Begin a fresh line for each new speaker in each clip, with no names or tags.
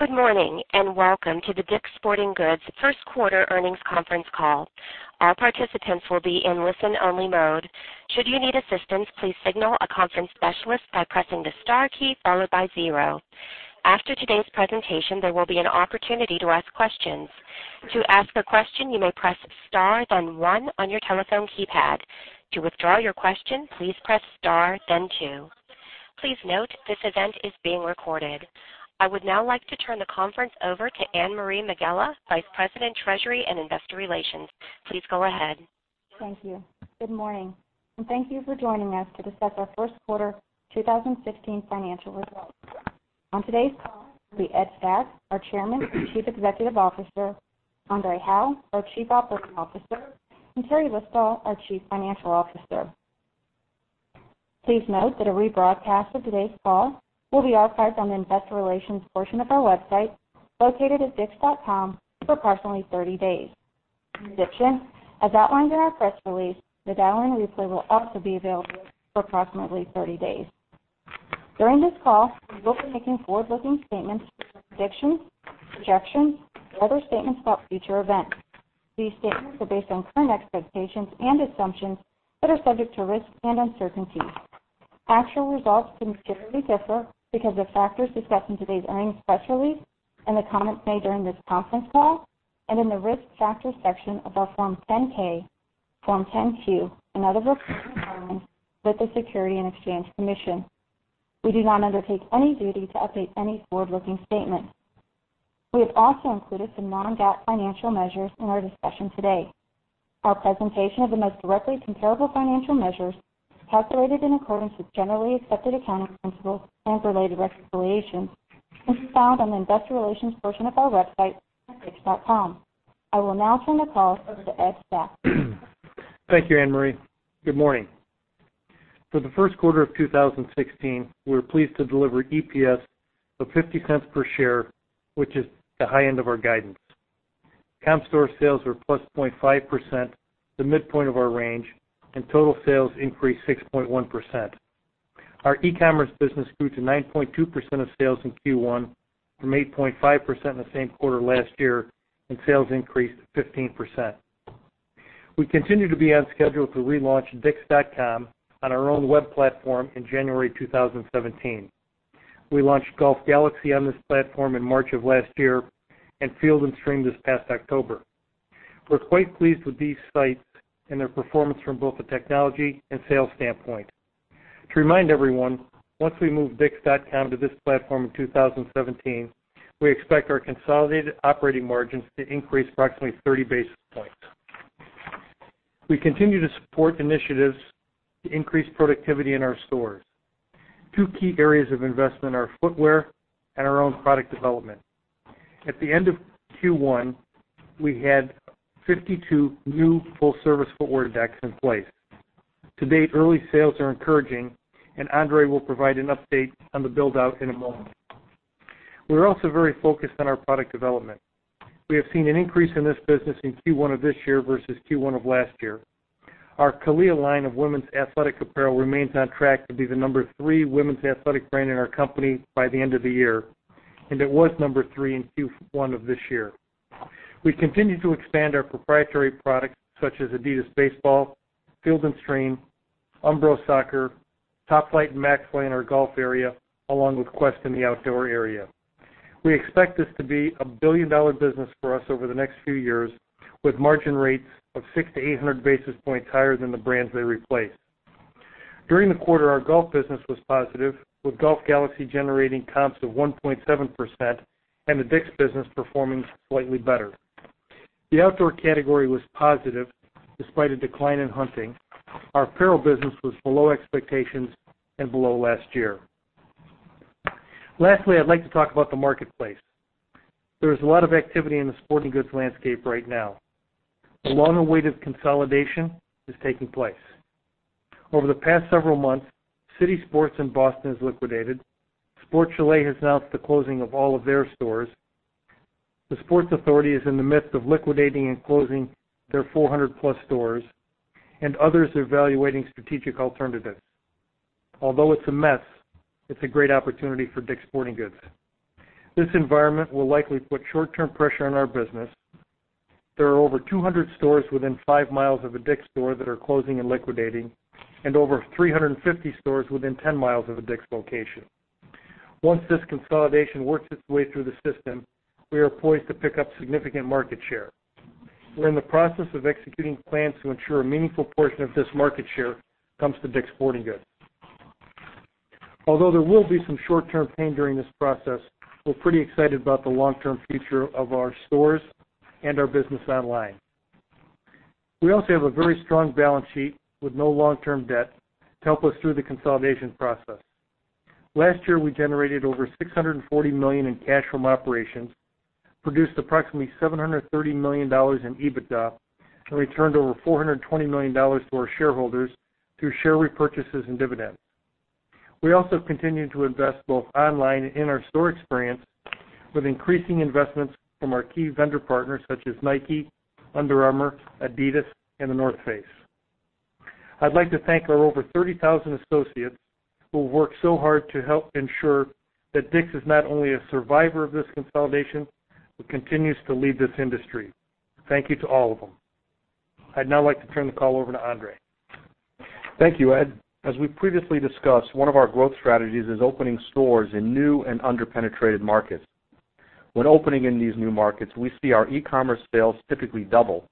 Good morning, welcome to the DICK'S Sporting Goods first quarter earnings conference call. All participants will be in listen-only mode. Should you need assistance, please signal a conference specialist by pressing the star key followed by zero. After today's presentation, there will be an opportunity to ask questions. To ask a question, you may press star, then one on your telephone keypad. To withdraw your question, please press star, then two. Please note, this event is being recorded. I would now like to turn the conference over to Anne Marie McGlone, Vice President, Treasury and Investor Relations. Please go ahead.
Thank you. Good morning, thank you for joining us to discuss our first quarter 2016 financial results. On today's call will be Ed Stack, our Chairman and Chief Executive Officer, André Hawaux, our Chief Operating Officer, and Teri List-Stoll, our Chief Financial Officer. Please note that a rebroadcast of today's call will be archived on the investor relations portion of our website, located at dicks.com, for approximately 30 days. In addition, as outlined in our press release, the dial-in replay will also be available for approximately 30 days. During this call, we will be making forward-looking statements with predictions, projections, or other statements about future events. These statements are based on current expectations and assumptions that are subject to risks and uncertainties. Actual results could materially differ because of factors discussed in today's earnings press release and the comments made during this conference call and in the Risk Factors section of our Form 10-K, Form 10-Q, and other reports we file with the Securities and Exchange Commission. We do not undertake any duty to update any forward-looking statement. We have also included some non-GAAP financial measures in our discussion today. Our presentation of the most directly comparable financial measures calculated in accordance with generally accepted accounting principles and related reconciliations can be found on the investor relations portion of our website at dicks.com. I will now turn the call over to Ed Stack.
Thank you, Anne Marie. Good morning. For the first quarter of 2016, we're pleased to deliver EPS of $0.50 per share, which is the high end of our guidance. Comp store sales were +0.5%, the midpoint of our range, total sales increased 6.1%. Our e-commerce business grew to 9.2% of sales in Q1 from 8.5% in the same quarter last year, sales increased 15%. We continue to be on schedule to relaunch dicks.com on our own web platform in January 2017. We launched Golf Galaxy on this platform in March of last year and Field & Stream this past October. We're quite pleased with these sites and their performance from both a technology and sales standpoint. To remind everyone, once we move dicks.com to this platform in 2017, we expect our consolidated operating margins to increase approximately 30 basis points. We continue to support initiatives to increase productivity in our stores. Two key areas of investment are footwear and our own product development. At the end of Q1, we had 52 new full-service footwear decks in place. To date, early sales are encouraging, and André will provide an update on the build-out in a moment. We're also very focused on our product development. We have seen an increase in this business in Q1 of this year versus Q1 of last year. Our CALIA line of women's athletic apparel remains on track to be the number 3 women's athletic brand in our company by the end of the year, and it was number 3 in Q1 of this year. We continue to expand our proprietary products such as Adidas Baseball, Field & Stream, Umbro Soccer, Top-Flite, and Maxfli in our golf area, along with Quest in the outdoor area. We expect this to be a billion-dollar business for us over the next few years, with margin rates of 600-800 basis points higher than the brands they replace. During the quarter, our golf business was positive, with Golf Galaxy generating comps of 1.7% and the DICK'S business performing slightly better. The outdoor category was positive despite a decline in hunting. Our apparel business was below expectations and below last year. Lastly, I'd like to talk about the marketplace. There is a lot of activity in the sporting goods landscape right now. The long-awaited consolidation is taking place. Over the past several months, City Sports in Boston has liquidated. Sports Chalet has announced the closing of all of their stores. The Sports Authority is in the midst of liquidating and closing their 400-plus stores, and others are evaluating strategic alternatives. Although it's a mess, it's a great opportunity for DICK'S Sporting Goods. This environment will likely put short-term pressure on our business. There are over 200 stores within five miles of a DICK'S store that are closing and liquidating and over 350 stores within 10 miles of a DICK'S location. Once this consolidation works its way through the system, we are poised to pick up significant market share. We're in the process of executing plans to ensure a meaningful portion of this market share comes to DICK'S Sporting Goods. Although there will be some short-term pain during this process, we're pretty excited about the long-term future of our stores and our business online. We also have a very strong balance sheet with no long-term debt to help us through the consolidation process. Last year, we generated over $640 million in cash from operations, produced approximately $730 million in EBITDA, and returned over $420 million to our shareholders through share repurchases and dividends. We also continue to invest both online and in our store experience with increasing investments from our key vendor partners such as Nike, Under Armour, Adidas, and The North Face. I'd like to thank our over 30,000 associates who have worked so hard to help ensure that DICK'S is not only a survivor of this consolidation, but continues to lead this industry. Thank you to all of them. I'd now like to turn the call over to André.
Thank you, Ed. As we previously discussed, one of our growth strategies is opening stores in new and under-penetrated markets. When opening in these new markets, we see our e-commerce sales typically double.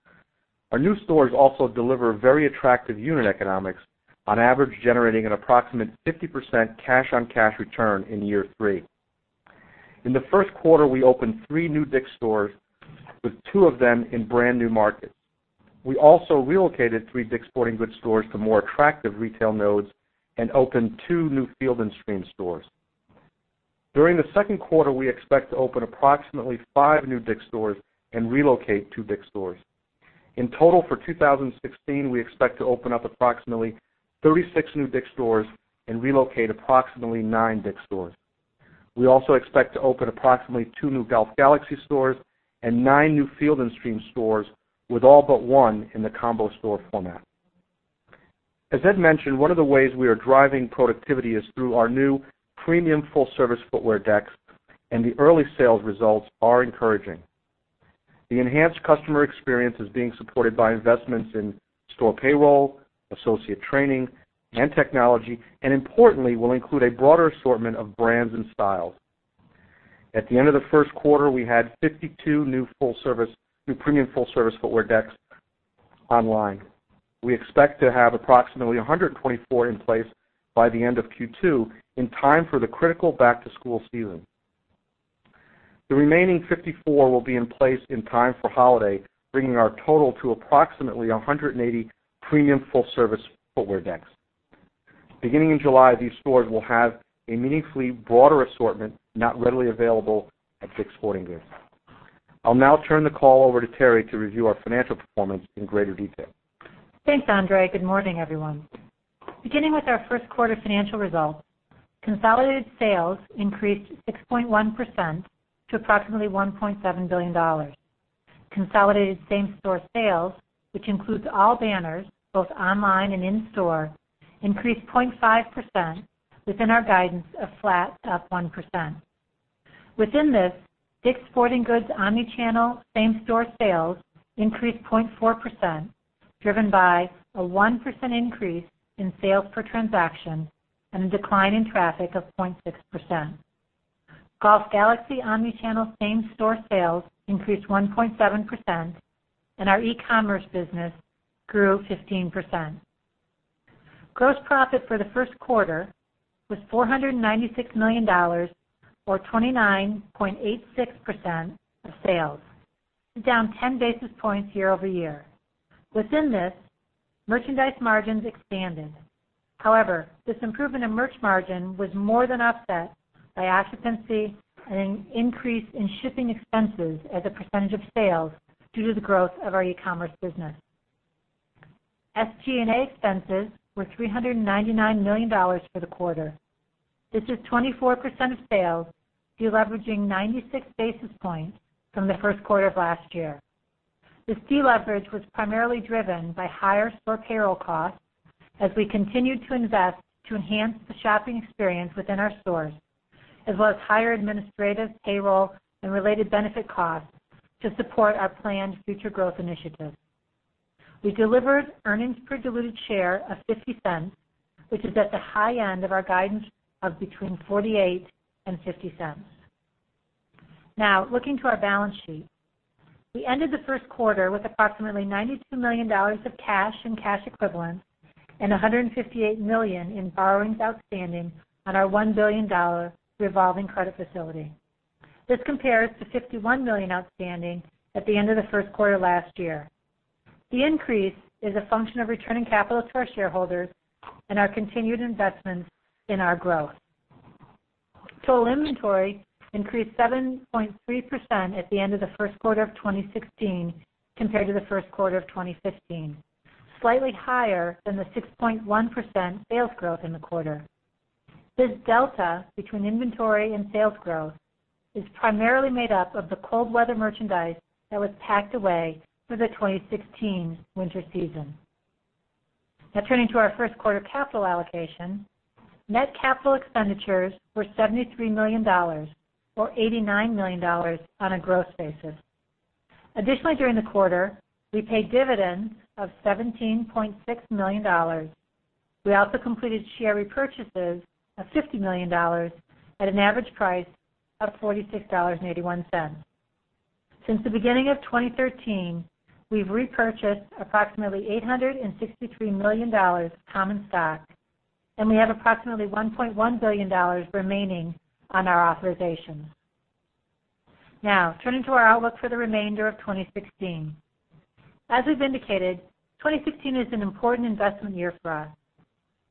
Our new stores also deliver very attractive unit economics, on average, generating an approximate 50% cash-on-cash return in year three. In the first quarter, we opened three new DICK'S stores, with two of them in brand-new markets. We also relocated three DICK'S Sporting Goods stores to more attractive retail nodes and opened two new Field & Stream stores. During the second quarter, we expect to open approximately five new DICK'S stores and relocate two DICK'S stores. In total, for 2016, we expect to open up approximately 36 new DICK'S stores and relocate approximately nine DICK'S stores. We also expect to open approximately two new Golf Galaxy stores and nine new Field & Stream stores, with all but one in the combo store format. As Ed mentioned, one of the ways we are driving productivity is through our new premium full-service footwear decks, and the early sales results are encouraging. The enhanced customer experience is being supported by investments in store payroll, associate training, and technology, and importantly, will include a broader assortment of brands and styles. At the end of the first quarter, we had 52 new premium full-service footwear decks online. We expect to have approximately 124 in place by the end of Q2, in time for the critical back-to-school season. The remaining 54 will be in place in time for holiday, bringing our total to approximately 180 premium full-service footwear decks. Beginning in July, these stores will have a meaningfully broader assortment not readily available at DICK'S Sporting Goods. I'll now turn the call over to Teri to review our financial performance in greater detail.
Thanks, André. Good morning, everyone. Beginning with our first quarter financial results, consolidated sales increased 6.1% to approximately $1.7 billion. Consolidated same-store sales, which includes all banners, both online and in-store, increased 0.5%, within our guidance of flat, up 1%. Within this, DICK'S Sporting Goods omni-channel same-store sales increased 0.4%, driven by a 1% increase in sales per transaction and a decline in traffic of 0.6%. Golf Galaxy omni-channel same-store sales increased 1.7%, and our e-commerce business grew 15%. Gross profit for the first quarter was $496 million, or 29.86% of sales, down 10 basis points year-over-year. Within this, merchandise margins expanded. However, this improvement in merch margin was more than offset by occupancy and an increase in shipping expenses as a percentage of sales due to the growth of our e-commerce business. SG&A expenses were $399 million for the quarter. This is 24% of sales, deleveraging 96 basis points from the first quarter of last year. This deleverage was primarily driven by higher store payroll costs as we continued to invest to enhance the shopping experience within our stores, as well as higher administrative payroll and related benefit costs to support our planned future growth initiatives. We delivered earnings per diluted share of $0.50, which is at the high end of our guidance of between $0.48 and $0.50. Looking to our balance sheet. We ended the first quarter with approximately $92 million of cash and cash equivalents and $158 million in borrowings outstanding on our $1 billion revolving credit facility. This compares to $51 million outstanding at the end of the first quarter last year. The increase is a function of returning capital to our shareholders and our continued investments in our growth. Total inventory increased 7.3% at the end of the first quarter of 2016 compared to the first quarter of 2015, slightly higher than the 6.1% sales growth in the quarter. This delta between inventory and sales growth is primarily made up of the cold weather merchandise that was packed away for the 2016 winter season. Turning to our first quarter capital allocation. Net capital expenditures were $73 million, or $89 million on a gross basis. Additionally, during the quarter, we paid dividends of $17.6 million. We also completed share repurchases of $50 million at an average price of $46.81. Since the beginning of 2013, we've repurchased approximately $863 million common stock, and we have approximately $1.1 billion remaining on our authorization. Turning to our outlook for the remainder of 2016. As we've indicated, 2016 is an important investment year for us.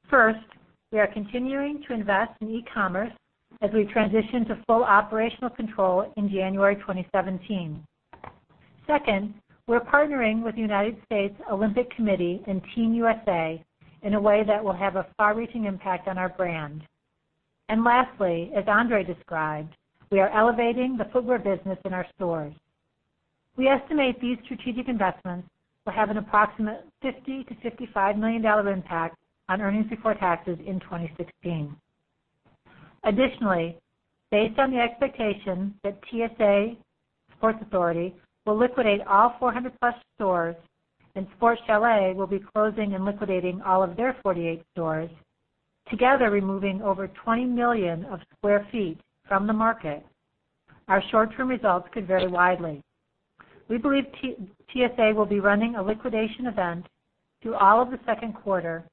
First, we are continuing to invest in e-commerce as we transition to full operational control in January 2017. Second, we're partnering with the United States Olympic Committee and Team USA in a way that will have a far-reaching impact on our brand. Lastly, as André described, we are elevating the footwear business in our stores. We estimate these strategic investments will have an approximate $50 million-$55 million impact on earnings before taxes in 2016. Additionally, based on the expectation that TSA, Sports Authority, will liquidate all 400-plus stores, and Sports Chalet will be closing and liquidating all of their 48 stores, together removing over 20 million sq ft from the market, our short-term results could vary widely. We believe TSA will be running a liquidation event through all of the second quarter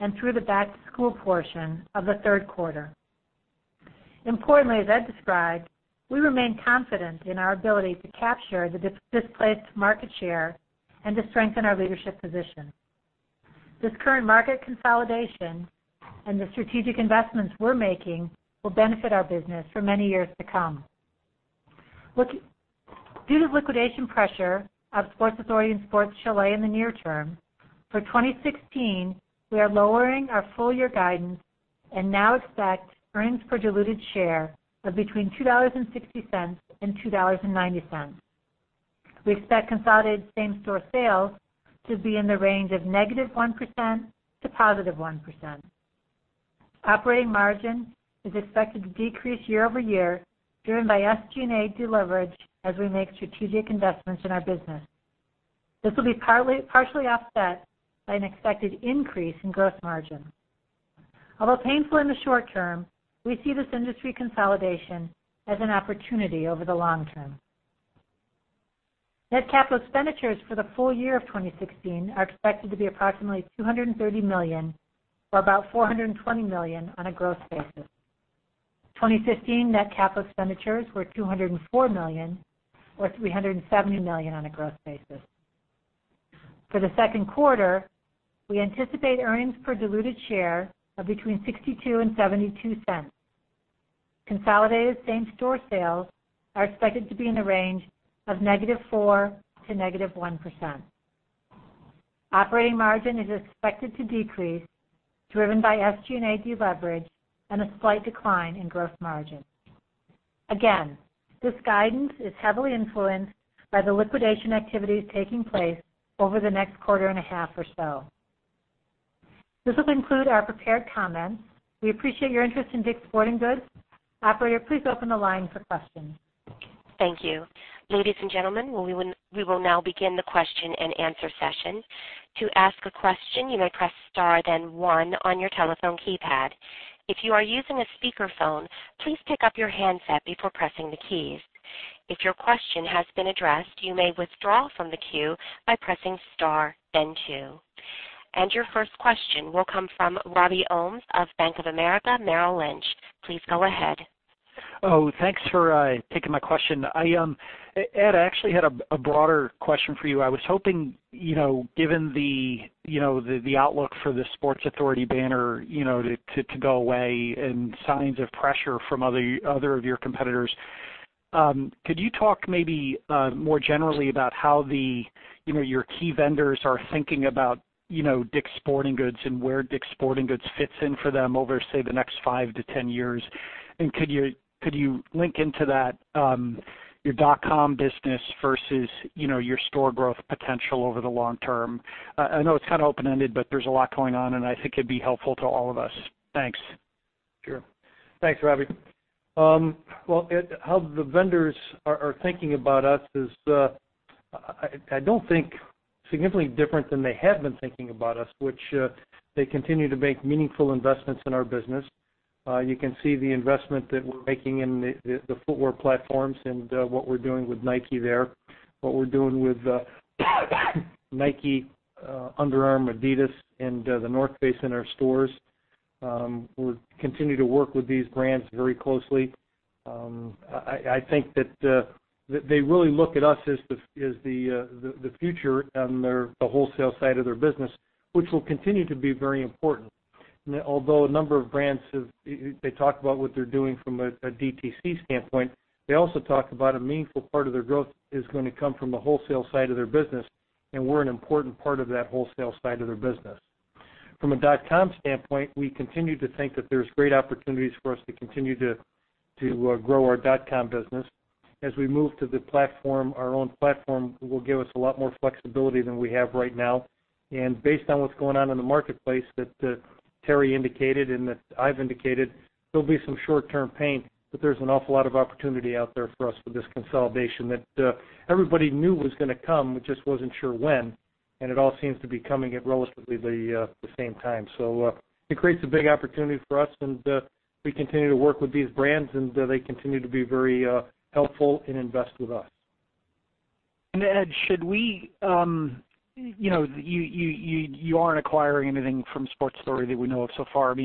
and through the back-to-school portion of the third quarter. Importantly, as Ed described, we remain confident in our ability to capture the displaced market share and to strengthen our leadership position. This current market consolidation and the strategic investments we're making will benefit our business for many years to come. Due to the liquidation pressure of Sports Authority and Sports Chalet in the near term, for 2016, we are lowering our full-year guidance and now expect earnings per diluted share of between $2.60 and $2.90. We expect consolidated same-store sales to be in the range of -1% to +1%. Operating margin is expected to decrease year-over-year, driven by SG&A deleverage, as we make strategic investments in our business. This will be partially offset by an expected increase in gross margin. Although painful in the short term, we see this industry consolidation as an opportunity over the long term. Net capital expenditures for the full year of 2016 are expected to be approximately $230 million, or about $420 million on a growth basis. 2015 net capital expenditures were $204 million or $370 million on a growth basis. For the second quarter, we anticipate earnings per diluted share of between $0.62 and $0.72. Consolidated same-store sales are expected to be in the range of -4% to -1%. Operating margin is expected to decrease, driven by SG&A deleverage and a slight decline in gross margin. Again, this guidance is heavily influenced by the liquidation activities taking place over the next quarter and a half or so. This will conclude our prepared comments. We appreciate your interest in DICK'S Sporting Goods. Operator, please open the line for questions.
Thank you. Ladies and gentlemen, we will now begin the question and answer session. To ask a question, you may press star then one on your telephone keypad. If you are using a speakerphone, please pick up your handset before pressing the keys. If your question has been addressed, you may withdraw from the queue by pressing star then two. Your first question will come from Robert Ohmes of Bank of America Merrill Lynch. Please go ahead.
Thanks for taking my question. Ed, I actually had a broader question for you. I was hoping, given the outlook for the Sports Authority banner to go away and signs of pressure from other of your competitors. Could you talk maybe more generally about how your key vendors are thinking about DICK'S Sporting Goods and where DICK'S Sporting Goods fits in for them over, say, the next five to 10 years? Could you link into that your dot-com business versus your store growth potential over the long term? I know it's kind of open-ended, but there's a lot going on, and I think it'd be helpful to all of us. Thanks.
Sure. Thanks, Robbie. How the vendors are thinking about us is, I don't think significantly different than they have been thinking about us, which they continue to make meaningful investments in our business. You can see the investment that we're making in the footwear platforms and what we're doing with Nike there, what we're doing with Nike, Under Armour, Adidas, and The North Face in our stores. We continue to work with these brands very closely. I think that they really look at us as the future on the wholesale side of their business, which will continue to be very important. Although a number of brands, they talk about what they're doing from a DTC standpoint, they also talk about a meaningful part of their growth is going to come from the wholesale side of their business, and we're an important part of that wholesale side of their business. From a dot-com standpoint, we continue to think that there's great opportunities for us to continue to grow our dot-com business. As we move to our own platform will give us a lot more flexibility than we have right now. Based on what's going on in the marketplace that Teri indicated and that I've indicated, there'll be some short-term pain, but there's an awful lot of opportunity out there for us with this consolidation that everybody knew was going to come, but just wasn't sure when, and it all seems to be coming at relatively the same time. It creates a big opportunity for us, and we continue to work with these brands, and they continue to be very helpful and invest with us.
Ed, you aren't acquiring anything from Sports Authority that we know of so far.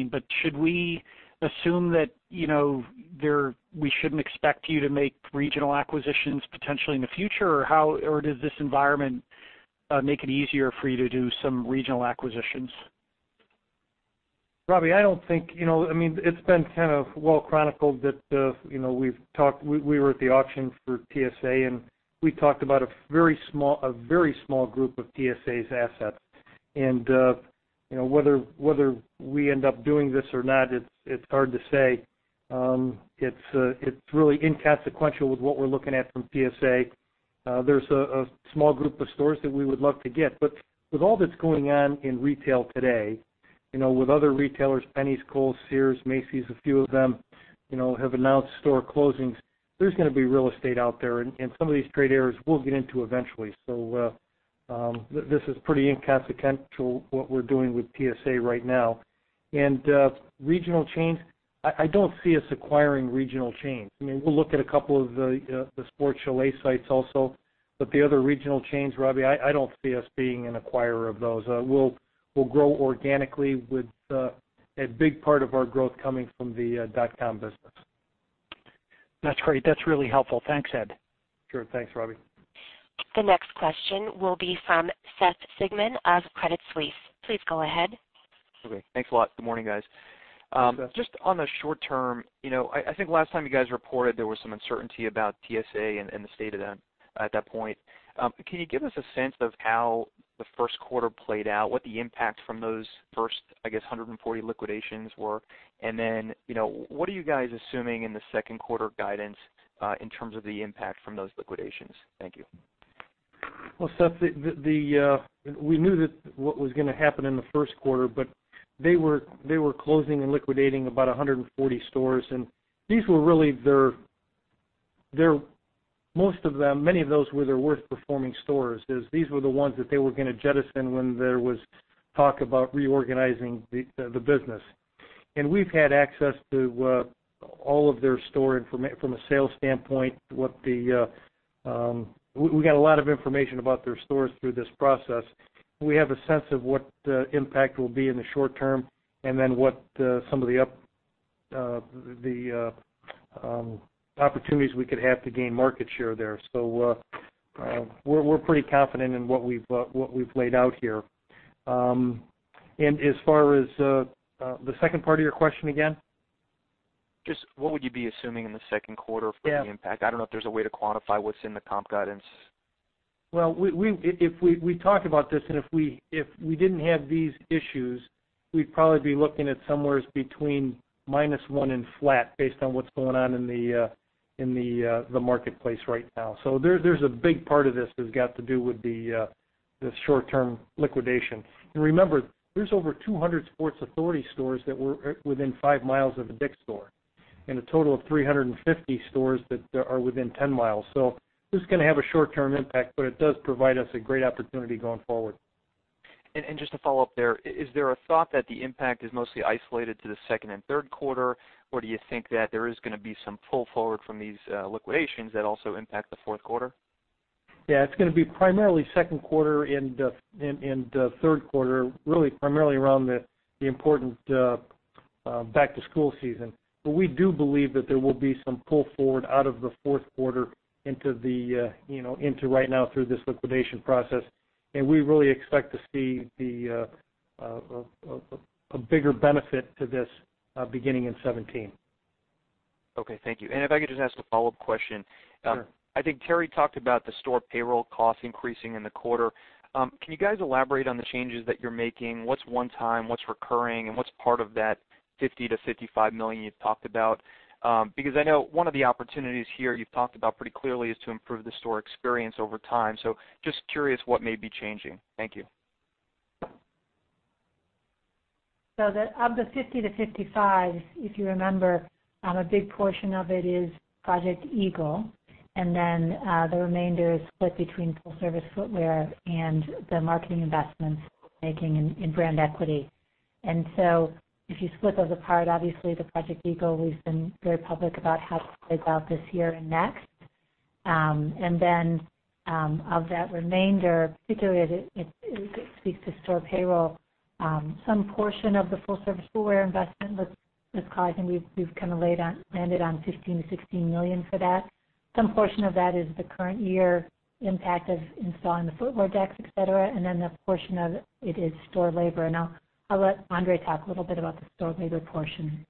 Should we assume that we shouldn't expect you to make regional acquisitions potentially in the future? Does this environment make it easier for you to do some regional acquisitions?
Robbie, it's been kind of well chronicled that we were at the auction for TSA, and we talked about a very small group of TSA's assets. Whether we end up doing this or not, it's hard to say. It's really inconsequential with what we're looking at from TSA. There's a small group of stores that we would love to get. With all that's going on in retail today, with other retailers, Penneys, Kohl's, Sears, Macy's, a few of them have announced store closings. There's going to be real estate out there, and some of these trade areas we'll get into eventually. This is pretty inconsequential, what we're doing with TSA right now. Regional chains, I don't see us acquiring regional chains. We'll look at a couple of the Sport Chalet sites also. The other regional chains, Robbie, I don't see us being an acquirer of those. We'll grow organically with a big part of our growth coming from the dot-com business.
That's great. That's really helpful. Thanks, Ed.
Sure. Thanks, Robbie.
The next question will be from Seth Sigman of Credit Suisse. Please go ahead.
Okay. Thanks a lot. Good morning, guys.
Hi, Seth.
Just on the short term, I think last time you guys reported there was some uncertainty about TSA and the state of them at that point. Can you give us a sense of how the first quarter played out, what the impact from those first, I guess, 140 liquidations were? What are you guys assuming in the second quarter guidance, in terms of the impact from those liquidations? Thank you.
Well, Seth, we knew that what was going to happen in the first quarter, but they were closing and liquidating about 140 stores. Most of them, many of those were their worst performing stores. These were the ones that they were going to jettison when there was talk about reorganizing the business. We've had access to all of their store information from a sales standpoint. We got a lot of information about their stores through this process. We have a sense of what the impact will be in the short term, and then what some of the opportunities we could have to gain market share there. So, we're pretty confident in what we've laid out here. As far as the second part of your question again?
Just what would you be assuming in the second quarter for the impact?
Yeah.
I don't know if there's a way to quantify what's in the comp guidance.
Well, we talked about this, and if we didn't have these issues, we'd probably be looking at somewhere between minus one and flat based on what's going on in the marketplace right now. There's a big part of this that's got to do with the short-term liquidation. Remember, there's over 200 Sports Authority stores that were within five miles of a DICK'S store, and a total of 350 stores that are within 10 miles. This is going to have a short-term impact, but it does provide us a great opportunity going forward.
Just to follow up there, is there a thought that the impact is mostly isolated to the second and third quarter, or do you think that there is going to be some pull forward from these liquidations that also impact the fourth quarter?
Yeah, it's going to be primarily second quarter and third quarter, really primarily around the important back-to-school season. We do believe that there will be some pull forward out of the fourth quarter into right now through this liquidation process, and we really expect to see a bigger benefit to this beginning in 2017.
Okay, thank you. If I could just ask a follow-up question.
Sure.
I think Teri talked about the store payroll cost increasing in the quarter. Can you guys elaborate on the changes that you're making? What's one time, what's recurring, and what's part of that $50 million-$55 million you've talked about? Because I know one of the opportunities here you've talked about pretty clearly is to improve the store experience over time. Just curious what may be changing. Thank you.
Of the $50 million-$55 million, if you remember, a big portion of it is Project Eagle, and the remainder is split between full-service footwear and the marketing investments we're making in brand equity. If you split those apart, obviously, Project Eagle, we've been very public about how it plays out this year and next. Of that remainder, particularly as it speaks to store payroll, some portion of the full-service footwear investment that's causing, we've kind of landed on $15 million-$16 million for that. Some portion of that is the current year impact of installing the footwear decks, et cetera, and a portion of it is store labor. I'll let André talk a little bit about the store labor portion.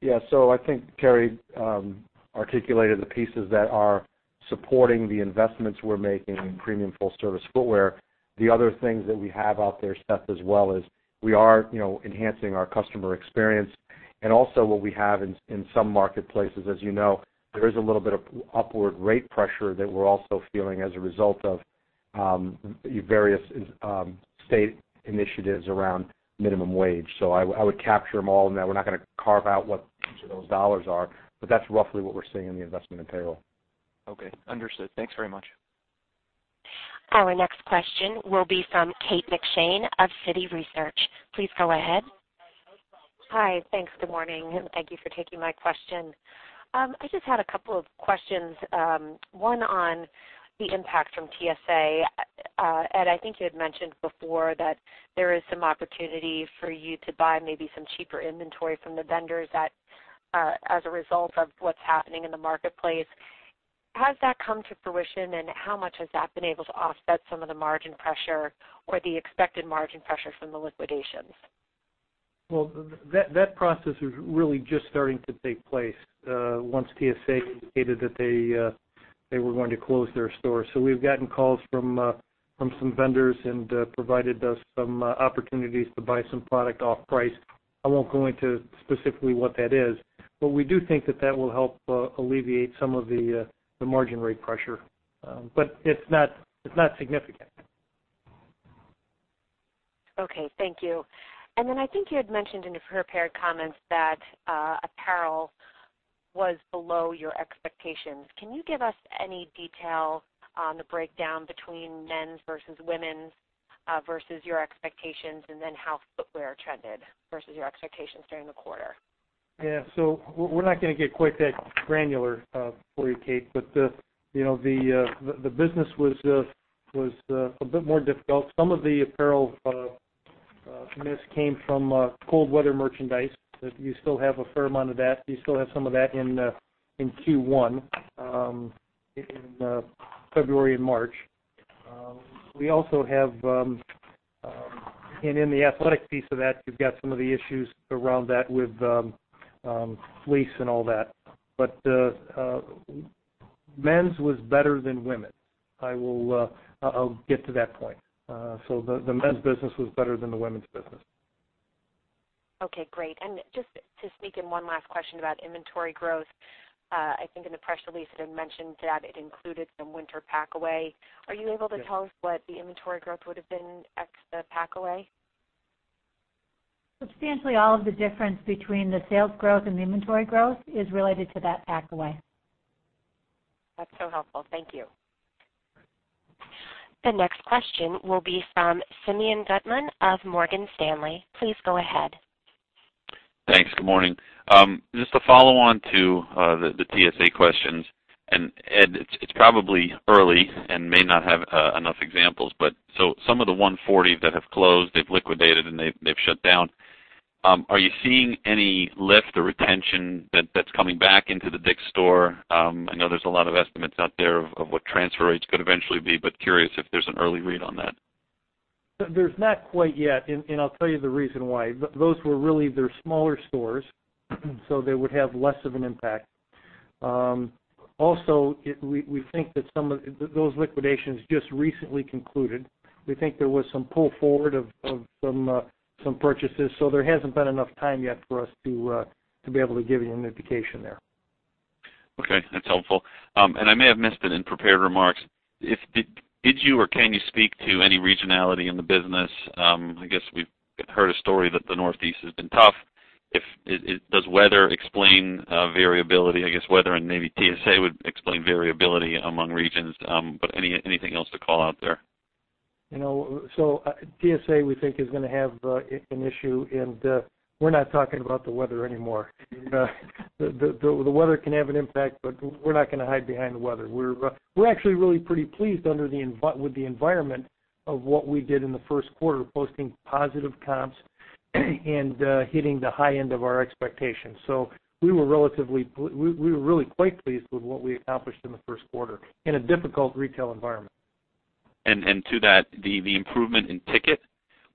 Yeah. I think Teri articulated the pieces that are supporting the investments we're making in premium full service footwear. The other things that we have out there, Seth, as well, is we are enhancing our customer experience. Also what we have in some marketplaces, as you know, there is a little bit of upward rate pressure that we're also feeling as a result of various state initiatives around minimum wage. I would capture them all in that. We're not going to carve out what each of those dollars are, but that's roughly what we're seeing in the investment in payroll.
Okay. Understood. Thanks very much.
Our next question will be from Kate McShane of Citi Research. Please go ahead.
Hi. Thanks. Good morning, and thank you for taking my question. I just had a couple of questions. One on the impact from TSA. Ed, I think you had mentioned before that there is some opportunity for you to buy maybe some cheaper inventory from the vendors as a result of what's happening in the marketplace. Has that come to fruition, and how much has that been able to offset some of the margin pressure or the expected margin pressure from the liquidations?
That process is really just starting to take place once TSA indicated that they were going to close their stores. We've gotten calls from some vendors and provided us some opportunities to buy some product off price. I won't go into specifically what that is, but we do think that that will help alleviate some of the margin rate pressure. It's not significant.
Okay. Thank you. I think you had mentioned in your prepared comments that apparel was below your expectations. Can you give us any detail on the breakdown between men's versus women's, versus your expectations, and then how footwear trended versus your expectations during the quarter?
Yeah. We're not going to get quite that granular for you, Kate, the business was a bit more difficult. Some of the apparel miss came from cold weather merchandise, that you still have a fair amount of that. You still have some of that in Q1, in February and March. In the athletic piece of that, you've got some of the issues around that with fleece and all that. Men's was better than women's. I'll get to that point. The men's business was better than the women's business.
Okay, great. Just to sneak in one last question about inventory growth. I think in the press release it had mentioned that it included some winter packaway. Are you able to tell us what the inventory growth would've been ex the packaway?
Substantially all of the difference between the sales growth and the inventory growth is related to that packaway.
That's so helpful. Thank you.
The next question will be from Simeon Gutman of Morgan Stanley. Please go ahead.
Thanks. Good morning. Just to follow on to the TSA questions, Ed, it's probably early and may not have enough examples, Some of the 140 that have closed, they've liquidated and they've shut down. Are you seeing any lift or retention that's coming back into the DICK'S store? I know there's a lot of estimates out there of what transfer rates could eventually be, Curious if there's an early read on that.
There's not quite yet, I'll tell you the reason why. Those were really their smaller stores, They would have less of an impact. Also, we think that those liquidations just recently concluded. We think there was some pull forward of some purchases. There hasn't been enough time yet for us to be able to give you an indication there.
That's helpful. I may have missed it in prepared remarks. Did you, or can you speak to any regionality in the business? I guess we've heard a story that the Northeast has been tough. Does weather explain variability? I guess weather and maybe TSA would explain variability among regions. Anything else to call out there?
TSA, we think, is going to have an issue, and we're not talking about the weather anymore. The weather can have an impact, but we're not going to hide behind the weather. We're actually really pretty pleased with the environment of what we did in the first quarter, posting positive comps and hitting the high end of our expectations. We were really quite pleased with what we accomplished in the first quarter in a difficult retail environment.
To that, the improvement in ticket,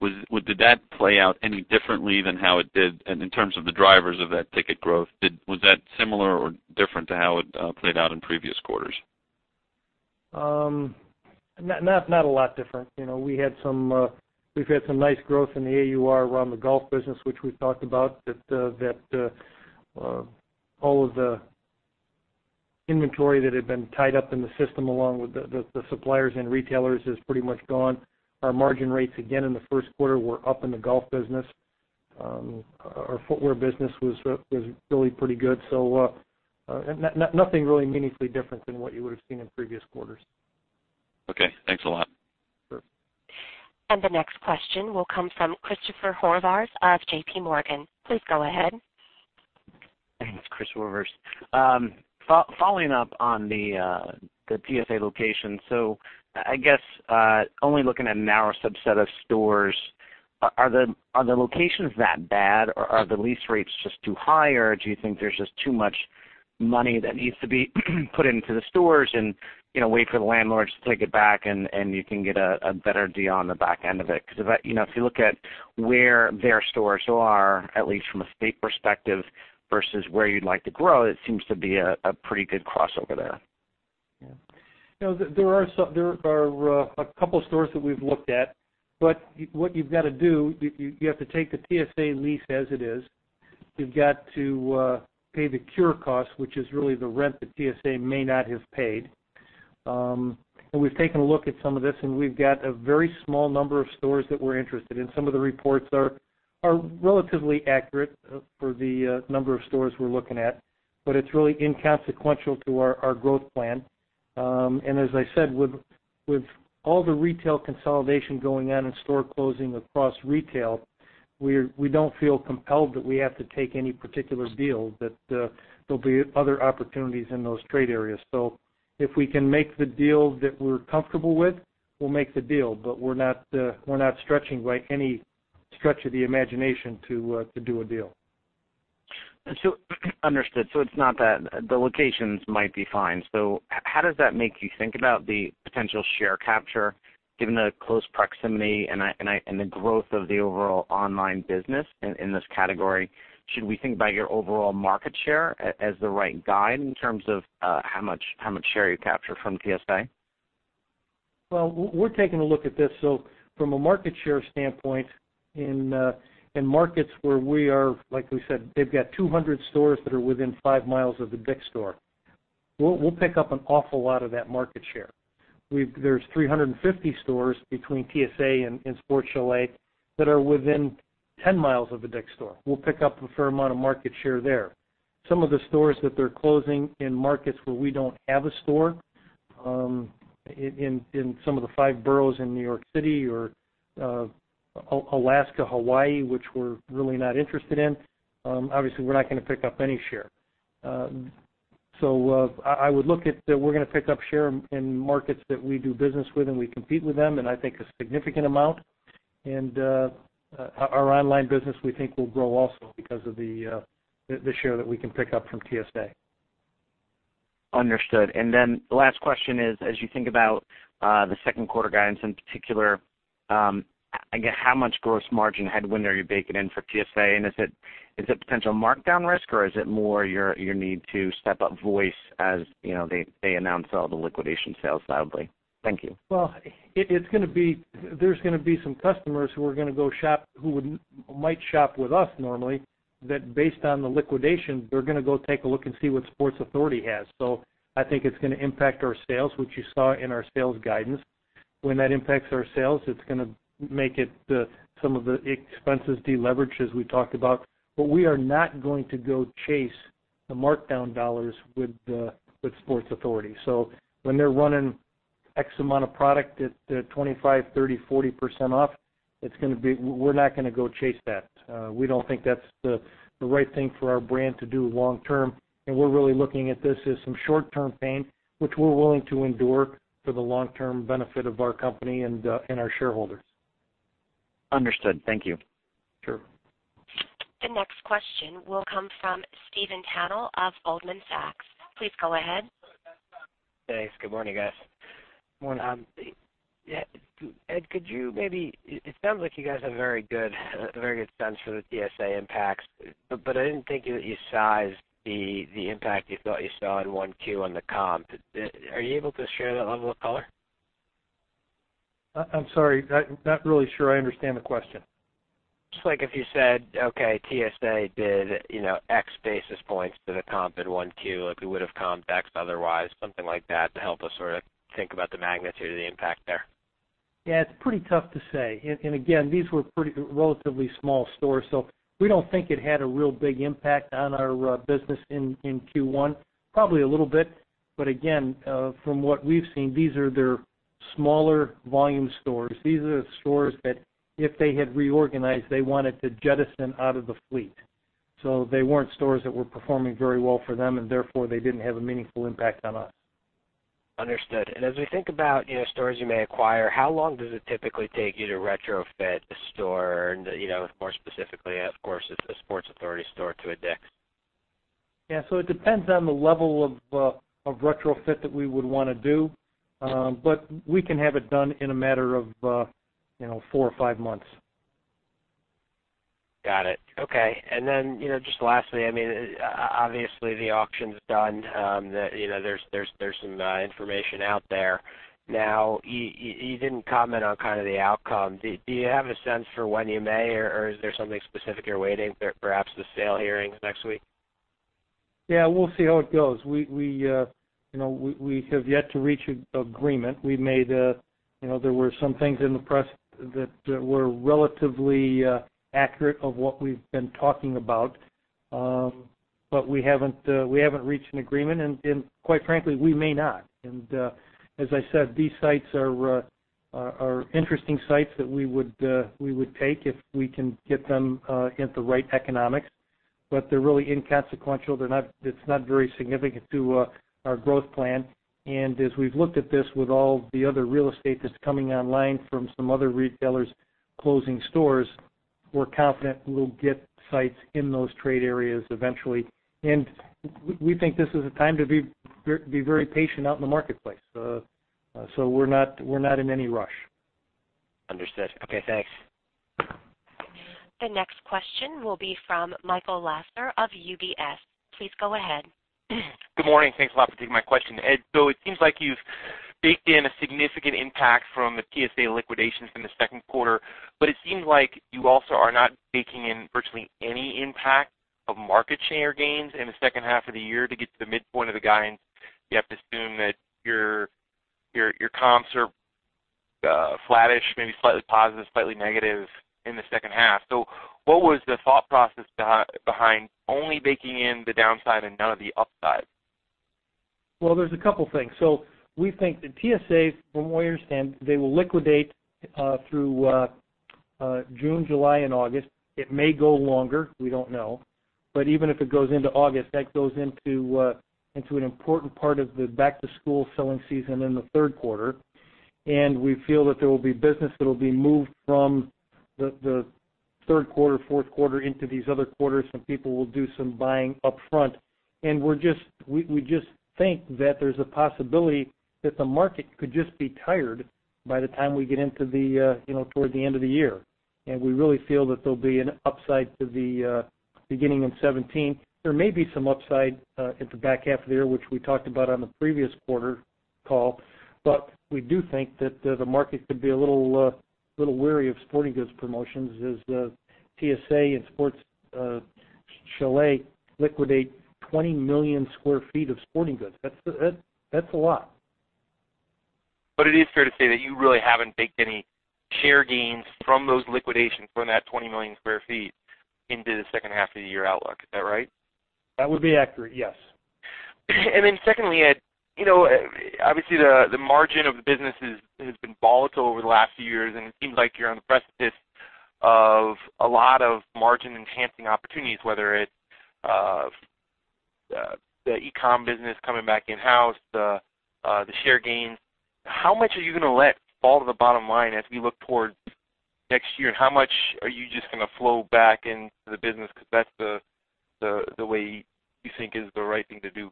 did that play out any differently than how it did in terms of the drivers of that ticket growth? Was that similar or different to how it played out in previous quarters?
Not a lot different. We've had some nice growth in the AUR around the golf business, which we've talked about, that all of the inventory that had been tied up in the system along with the suppliers and retailers is pretty much gone. Our margin rates, again in the first quarter, were up in the golf business. Our footwear business was really pretty good. Nothing really meaningfully different than what you would've seen in previous quarters.
Okay. Thanks a lot.
Sure.
The next question will come from Christopher Horvers of JPMorgan. Please go ahead.
Thanks. Chris Horvers. Following up on the TSA location. I guess, only looking at a narrow subset of stores, are the locations that bad, or are the lease rates just too high, or do you think there's just too much money that needs to be put into the stores and wait for the landlords to take it back and you can get a better deal on the back end of it? If you look at where their stores are, at least from a state perspective versus where you'd like to grow, it seems to be a pretty good crossover there.
Yeah. There are a couple stores that we've looked at, what you've got to do, you have to take the TSA lease as it is. You've got to pay the cure cost, which is really the rent that TSA may not have paid. We've taken a look at some of this, we've got a very small number of stores that we're interested in. Some of the reports are relatively accurate for the number of stores we're looking at, it's really inconsequential to our growth plan. As I said, with all the retail consolidation going on and store closing across retail, we don't feel compelled that we have to take any particular deal, that there'll be other opportunities in those trade areas. If we can make the deal that we're comfortable with, we'll make the deal. We're not stretching by any stretch of the imagination to do a deal.
Understood. It's not that. The locations might be fine. How does that make you think about the potential share capture, given the close proximity and the growth of the overall online business in this category? Should we think about your overall market share as the right guide in terms of how much share you capture from TSA?
Well, we're taking a look at this. From a market share standpoint, in markets where we are, like we said, they've got 200 stores that are within five miles of the DICK'S store. We'll pick up an awful lot of that market share. There's 350 stores between TSA and Sport Chalet that are within 10 miles of a DICK'S store. We'll pick up a fair amount of market share there. Some of the stores that they're closing in markets where we don't have a store, in some of the five boroughs in New York City or Alaska, Hawaii, which we're really not interested in, obviously, we're not going to pick up any share. I would look at that we're going to pick up share in markets that we do business with, and we compete with them, and I think a significant amount. Our online business, we think, will grow also because of the share that we can pick up from TSA.
Understood. The last question is, as you think about the second quarter guidance in particular, how much gross margin headwind are you baking in for TSA? Is it potential markdown risk, or is it more your need to step up voice as they announce all the liquidation sales loudly? Thank you.
Well, there's going to be some customers who are going to go shop, who might shop with us normally, that based on the liquidation, they're going to go take a look and see what Sports Authority has. I think it's going to impact our sales, which you saw in our sales guidance. When that impacts our sales, it's going to make some of the expenses deleverage, as we talked about. We are not going to go chase the markdown dollars with Sports Authority. When they're running X amount of product at 25%, 30%, 40% off, we're not going to go chase that. We don't think that's the right thing for our brand to do long term. We're really looking at this as some short-term pain, which we're willing to endure for the long-term benefit of our company and our shareholders.
Understood. Thank you.
Sure.
The next question will come from Stephen Tanal of Goldman Sachs. Please go ahead.
Thanks. Good morning, guys.
Morning.
Ed, it sounds like you guys have a very good sense for the TSA impacts. I didn't think that you sized the impact you thought you saw in 1Q on the comp. Are you able to share that level of color?
I'm sorry, not really sure I understand the question.
Just like if you said, okay, TSA did X basis points to the comp in 1Q. Like we would've comped X otherwise, something like that, to help us sort of think about the magnitude of the impact there.
Yeah, it's pretty tough to say. Again, these were pretty relatively small stores, we don't think it had a real big impact on our business in Q1. Probably a little bit, but again, from what we've seen, these are their smaller volume stores. These are the stores that if they had reorganized, they wanted to jettison out of the fleet. They weren't stores that were performing very well for them, and therefore they didn't have a meaningful impact on us.
Understood. As we think about stores you may acquire, how long does it typically take you to retrofit a store and, more specifically, of course, a Sports Authority store to a DICK'S?
Yeah. It depends on the level of retrofit that we would want to do. We can have it done in a matter of four or five months.
Got it. Okay. Then, just lastly, obviously the auction's done. There's some information out there now. You didn't comment on kind of the outcome. Do you have a sense for when you may, or is there something specific you're awaiting, perhaps the sale hearings next week?
Yeah, we'll see how it goes. We have yet to reach agreement. There were some things in the press that were relatively accurate of what we've been talking about. We haven't reached an agreement, and quite frankly, we may not. As I said, these sites are interesting sites that we would take if we can get them at the right economics. They're really inconsequential. It's not very significant to our growth plan. As we've looked at this with all the other real estate that's coming online from some other retailers closing stores, we're confident we'll get sites in those trade areas eventually. We think this is a time to be very patient out in the marketplace. We're not in any rush.
Understood. Okay, thanks.
The next question will be from Michael Lasser of UBS. Please go ahead.
Good morning. Thanks a lot for taking my question. Ed, it seems like you've baked in a significant impact from the Sports Authority liquidations in the second quarter, it seems like you also are not baking in virtually any impact of market share gains in the second half of the year to get to the midpoint of the guidance. You have to assume that your comps are flattish, maybe slightly positive, slightly negative in the second half. What was the thought process behind only baking in the downside and none of the upside?
There's a couple things. We think that TSA, from what we understand, they will liquidate through June, July, and August. It may go longer, we don't know. Even if it goes into August, that goes into an important part of the back-to-school selling season in the third quarter. We feel that there will be business that will be moved from the third quarter, fourth quarter into these other quarters. Some people will do some buying upfront. We just think that there's a possibility that the market could just be tired by the time we get toward the end of the year. We really feel that there'll be an upside to the beginning of 2017. There may be some upside at the back half of the year, which we talked about on the previous quarter call. We do think that the market could be a little wary of sporting goods promotions as TSA and Sports Chalet liquidate 20 million sq ft of sporting goods. That's a lot.
It is fair to say that you really haven't baked any share gains from those liquidations from that 20 million sq ft into the second half of the year outlook. Is that right?
That would be accurate, yes.
Secondly, Ed, obviously, the margin of the business has been volatile over the last few years, and it seems like you're on the precipice of a lot of margin-enhancing opportunities, whether it's the e-com business coming back in-house, the share gains. How much are you going to let fall to the bottom line as we look towards next year, and how much are you just going to flow back into the business because that's the way you think is the right thing to do?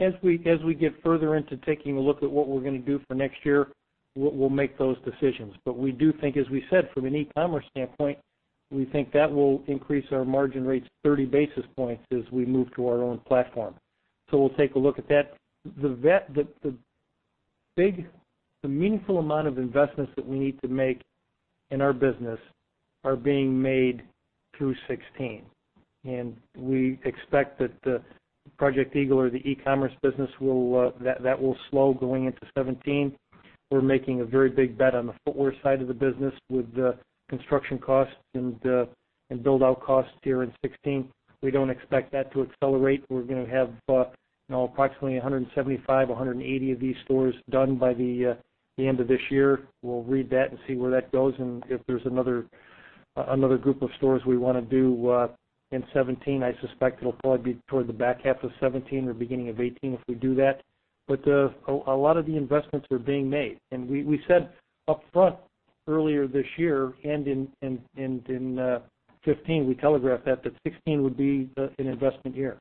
As we get further into taking a look at what we're going to do for next year, we'll make those decisions. We do think, as we said, from an e-commerce standpoint, we think that will increase our margin rates 30 basis points as we move to our own platform. We'll take a look at that. The meaningful amount of investments that we need to make in our business are being made through 2016. We expect that the Project Eagle or the e-commerce business, that will slow going into 2017. We're making a very big bet on the footwear side of the business with the construction costs and build-out costs here in 2016. We don't expect that to accelerate. We're going to have approximately 175, 180 of these stores done by the end of this year. We'll read that and see where that goes and if there's another group of stores we want to do in 2017. I suspect it'll probably be toward the back half of 2017 or beginning of 2018 if we do that. A lot of the investments are being made. We said upfront earlier this year and in 2015, we telegraphed that 2016 would be an investment year,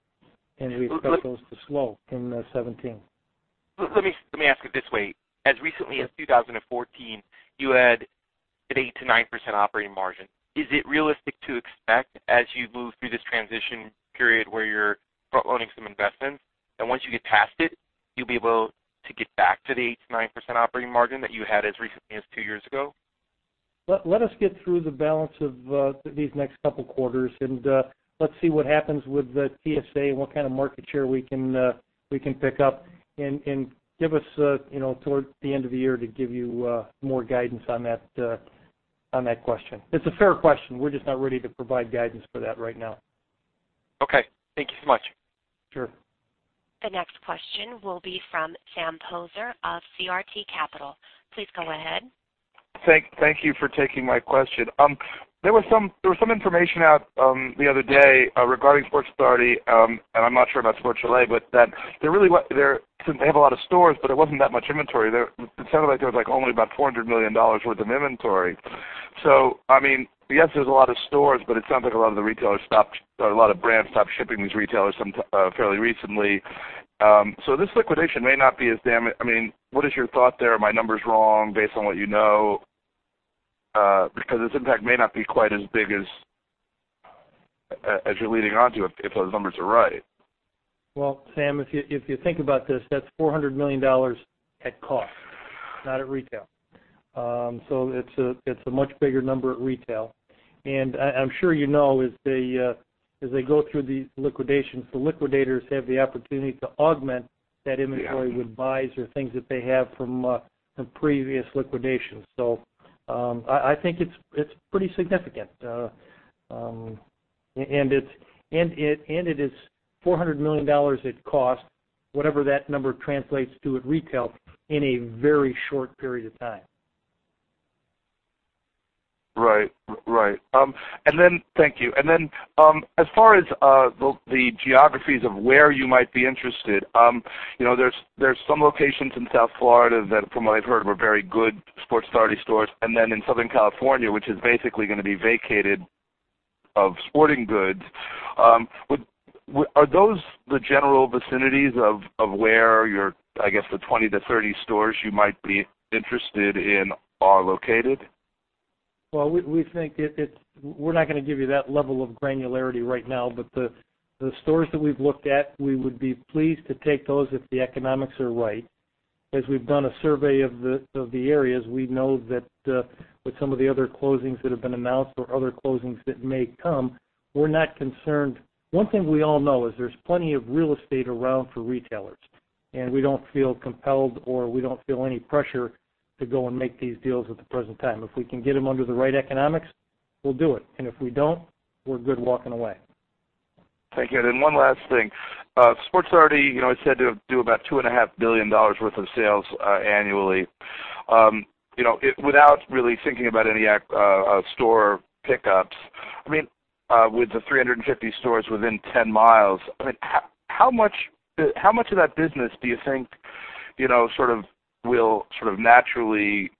and we expect those to slow in 2017.
Let me ask it this way. As recently as 2014, you had an 8%-9% operating margin. Is it realistic to expect as you move through this transition period where you're front-loading some investments, that once you get past it, you'll be able to get back to the 8%-9% operating margin that you had as recently as two years ago?
Let us get through the balance of these next couple of quarters, and let's see what happens with TSA and what kind of market share we can pick up, and give us towards the end of the year to give you more guidance on that question. It's a fair question. We're just not ready to provide guidance for that right now.
Okay. Thank you so much.
Sure.
The next question will be from Sam Poser of CRT Capital. Please go ahead.
Thank you for taking my question. There was some information out the other day regarding Sports Authority, and I'm not sure about Sport Chalet, but that they have a lot of stores, but there wasn't that much inventory there. It sounded like there was only about $400 million worth of inventory. Yes, there's a lot of stores, but it sounds like a lot of the brands stopped shipping these retailers fairly recently. What is your thought there? Are my numbers wrong based on what you know? Because its impact may not be quite as big as you're leading on to if those numbers are right.
Well, Sam, if you think about this, that's $400 million at cost, not at retail. It's a much bigger number at retail. I'm sure you know as they go through these liquidations, the liquidators have the opportunity to augment that inventory with buys or things that they have from previous liquidations. I think it's pretty significant. It is $400 million at cost, whatever that number translates to at retail in a very short period of time.
Right. Thank you. As far as the geographies of where you might be interested, there's some locations in South Florida that, from what I've heard, were very good Sports Authority stores, and then in Southern California, which is basically going to be vacated of sporting goods. Are those the general vicinities of where your, I guess, the 20 to 30 stores you might be interested in are located?
Well, we're not going to give you that level of granularity right now, but the stores that we've looked at, we would be pleased to take those if the economics are right. As we've done a survey of the areas, we know that with some of the other closings that have been announced or other closings that may come, we're not concerned. One thing we all know is there's plenty of real estate around for retailers, and we don't feel compelled or we don't feel any pressure to go and make these deals at the present time. If we can get them under the right economics, we'll do it. If we don't, we're good walking away.
Thank you. One last thing. Sports Authority is said to do about $2.5 billion worth of sales annually. Without really thinking about any store pickups, with the 350 stores within 10 miles, how much of that business do you think will naturally,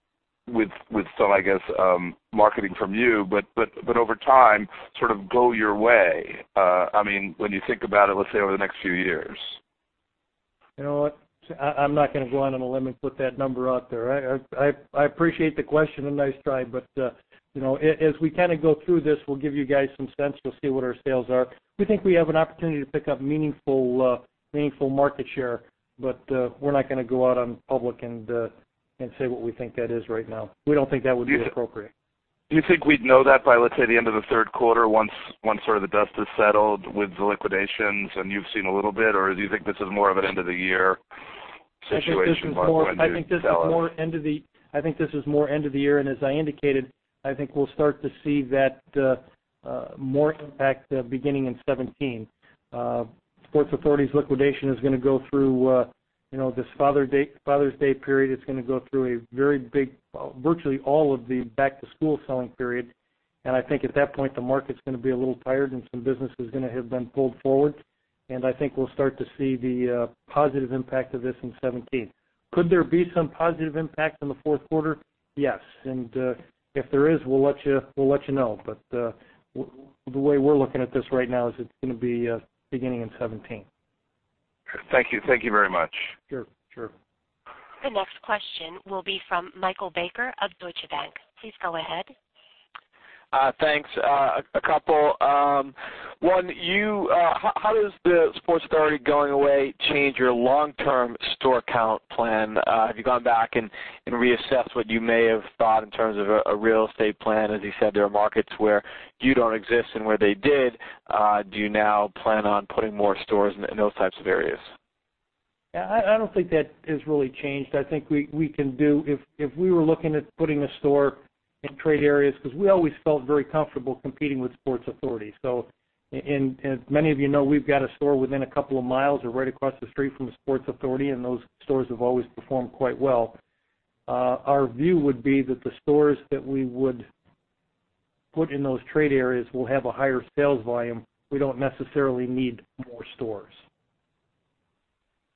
with some, I guess, marketing from you, but over time, go your way? When you think about it, let's say over the next few years.
You know what? I'm not going to go out on a limb and put that number out there. I appreciate the question and nice try. As we kind of go through this, we'll give you guys some sense. You'll see what our sales are. We think we have an opportunity to pick up meaningful market share. We're not going to go out in public and say what we think that is right now. We don't think that would be appropriate.
Do you think we'd know that by, let's say, the end of the third quarter, once sort of the dust has settled with the liquidations and you've seen a little bit? Do you think this is more of an end-of-the-year situation on when you tell us?
I think this is more end of the year. As I indicated, I think we'll start to see that more impact beginning in 2017. Sports Authority's liquidation is going to go through this Father's Day period. It's going to go through virtually all of the back-to-school selling period. I think at that point, the market's going to be a little tired and some business is going to have been pulled forward. I think we'll start to see the positive impact of this in 2017. Could there be some positive impact in the fourth quarter? Yes. If there is, we'll let you know. The way we're looking at this right now is it's going to be beginning in 2017.
Thank you. Thank you very much.
Sure.
The next question will be from Michael Baker of Deutsche Bank. Please go ahead.
Thanks. A couple. One, how does the Sports Authority going away change your long-term store count plan? Have you gone back and reassessed what you may have thought in terms of a real estate plan? As you said, there are markets where you don't exist and where they did. Do you now plan on putting more stores in those types of areas?
Yeah. I don't think that has really changed. I think if we were looking at putting a store in trade areas, because we always felt very comfortable competing with Sports Authority. As many of you know, we've got a store within a couple of miles or right across the street from a Sports Authority, and those stores have always performed quite well. Our view would be that the stores that we would put in those trade areas will have a higher sales volume. We don't necessarily need more stores.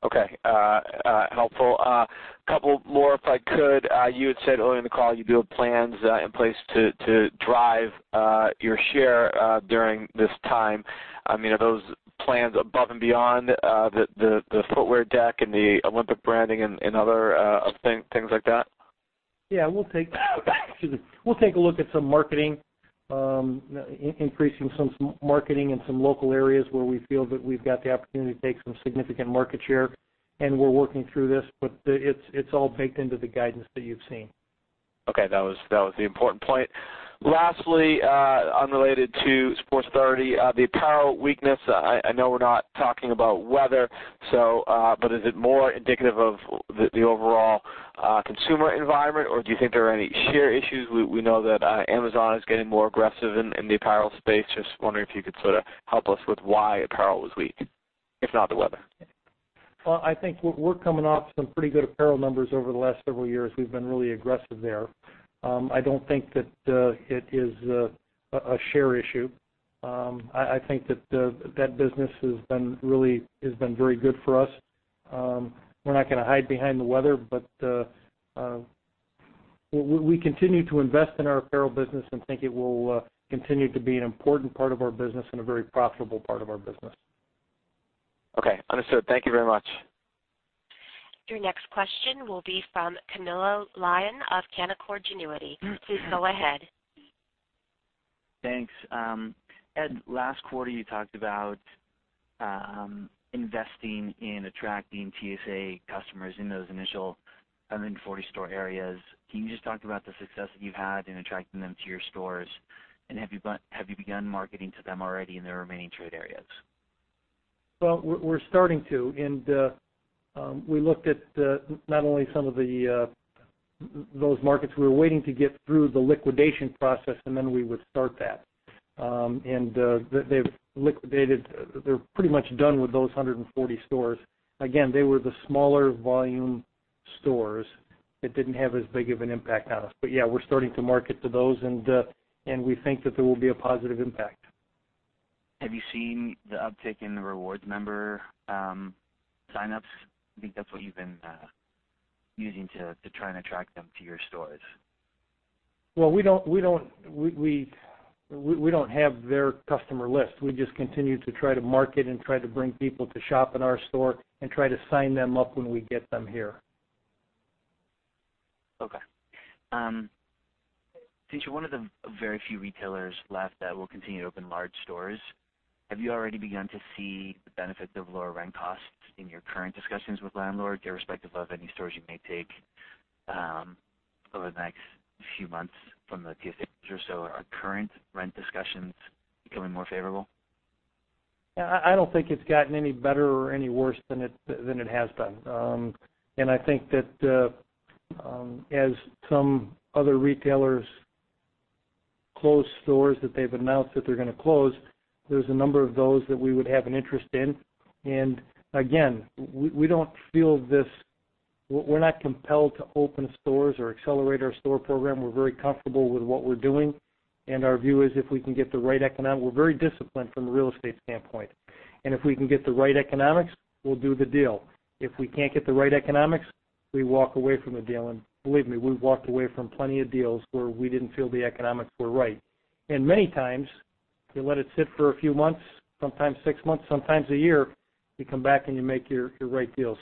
Okay. Helpful. Couple more, if I could. You had said earlier in the call, you build plans in place to drive your share during this time. Are those plans above and beyond the footwear deck and the Olympic branding and other things like that?
Yeah. We'll take a look at some marketing, increasing some marketing in some local areas where we feel that we've got the opportunity to take some significant market share, and we're working through this. It's all baked into the guidance that you've seen.
Okay. That was the important point. Lastly, unrelated to Sports Authority, the apparel weakness, I know we're not talking about weather. Is it more indicative of the overall consumer environment, or do you think there are any share issues? We know that Amazon is getting more aggressive in the apparel space. Just wondering if you could sort of help us with why apparel was weak, if not the weather.
I think we're coming off some pretty good apparel numbers over the last several years. We've been really aggressive there. I don't think that it is a share issue. I think that that business has been very good for us. We're not going to hide behind the weather, we continue to invest in our apparel business and think it will continue to be an important part of our business and a very profitable part of our business.
Okay. Understood. Thank you very much.
Your next question will be from Camilo Lyon of Canaccord Genuity. Please go ahead.
Thanks. Ed, last quarter, you talked about investing in attracting TSA customers in those initial 140 store areas. Can you just talk about the success that you've had in attracting them to your stores? Have you begun marketing to them already in their remaining trade areas?
Well, we're starting to. We looked at not only some of those markets. We were waiting to get through the liquidation process and then we would start that. They've liquidated. They're pretty much done with those 140 stores. Again, they were the smaller volume stores that didn't have as big of an impact on us. Yeah, we're starting to market to those, and we think that there will be a positive impact.
Have you seen the uptick in the rewards member sign-ups? I think that's what you've been using to try and attract them to your stores.
Well, we don't have their customer list. We just continue to try to market and try to bring people to shop in our store and try to sign them up when we get them here.
Okay. Since you're one of the very few retailers left that will continue to open large stores, have you already begun to see the benefit of lower rent costs in your current discussions with landlords, irrespective of any stores you may take over the next few months from the TSA stores? Are current rent discussions becoming more favorable?
I don't think it's gotten any better or any worse than it has been. I think that as some other retailers close stores that they've announced that they're going to close, there's a number of those that we would have an interest in. Again, we're not compelled to open stores or accelerate our store program. We're very comfortable with what we're doing. We're very disciplined from a real estate standpoint, and if we can get the right economics, we'll do the deal. If we can't get the right economics, we walk away from the deal. Believe me, we've walked away from plenty of deals where we didn't feel the economics were right. Many times, you let it sit for a few months, sometimes six months, sometimes a year, you come back, and you make your right deal.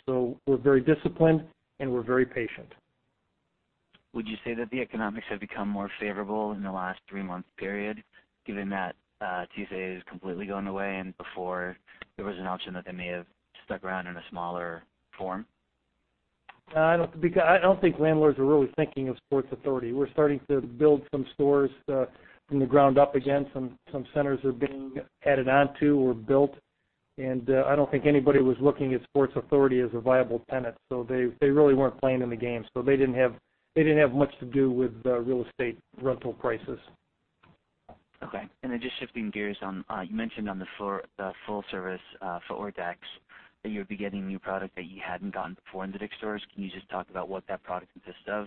We're very disciplined, and we're very patient.
Would you say that the economics have become more favorable in the last three-month period, given that TSA is completely going away and before there was an option that they may have stuck around in a smaller form?
I don't think landlords are really thinking of Sports Authority. We're starting to build some stores from the ground up again. Some centers are being added on to or built. I don't think anybody was looking at Sports Authority as a viable tenant, they really weren't playing in the game. They didn't have much to do with real estate rental prices.
Okay. Then just shifting gears on, you mentioned on the full service footwear decks that you would be getting new product that you hadn't gotten before in the DICK'S stores. Can you just talk about what that product consists of?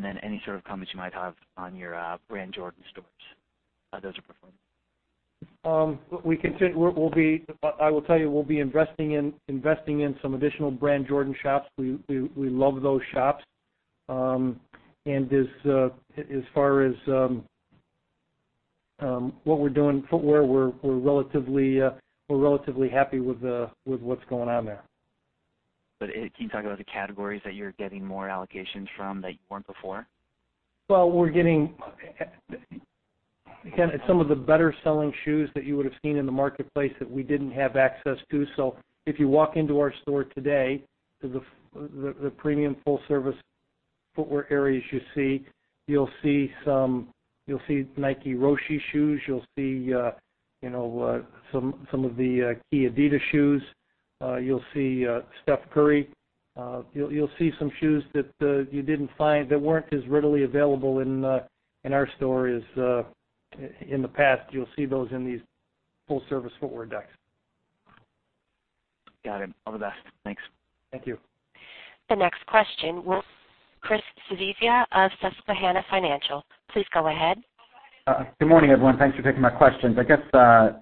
Then any sort of comments you might have on your Jordan Brand stores, how those are performing.
I will tell you, we'll be investing in some additional Jordan Brand shops. We love those shops. As far as what we're doing in footwear, we're relatively happy with what's going on there.
Can you talk about the categories that you're getting more allocations from that you weren't before?
Well, we're getting some of the better selling shoes that you would have seen in the marketplace that we didn't have access to. If you walk into our store today, the premium full service footwear areas, you'll see Nike Roshe shoes. You'll see some of the key Adidas shoes. You'll see Curry Brand. You'll see some shoes that you didn't find, that weren't as readily available in our store as in the past. You'll see those in these full-service footwear decks.
Got it. All the best. Thanks.
Thank you.
The next question, Chris Svezia of Susquehanna Financial. Please go ahead.
Good morning, everyone. Thanks for taking my questions. I guess,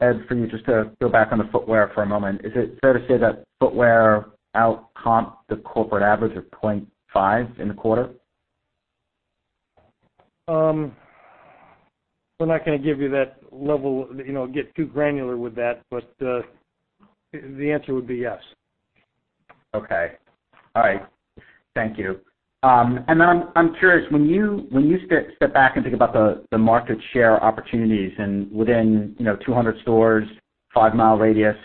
Ed, for you just to go back on the footwear for a moment. Is it fair to say that footwear out comped the corporate average of 0.5% in the quarter?
We're not going to give you that level, get too granular with that. The answer would be yes.
Okay. All right. Thank you. I'm curious, when you step back and think about the market share opportunities within 200 stores, five-mile radius,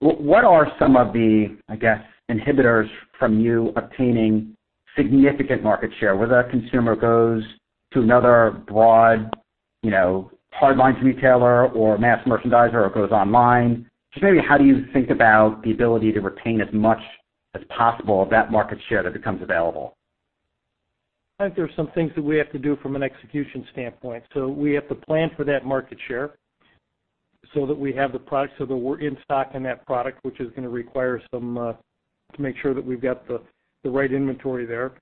what are some of the, I guess, inhibitors from you obtaining significant market share, whether a consumer goes to another broad, hardlines retailer or mass merchandiser or goes online? Just maybe how do you think about the ability to retain as much as possible of that market share that becomes available?
I think there's some things that we have to do from an execution standpoint. We have to plan for that market share so that we have the products, so that we're in stock on that product, which is going to require some, to make sure that we've got the right inventory there.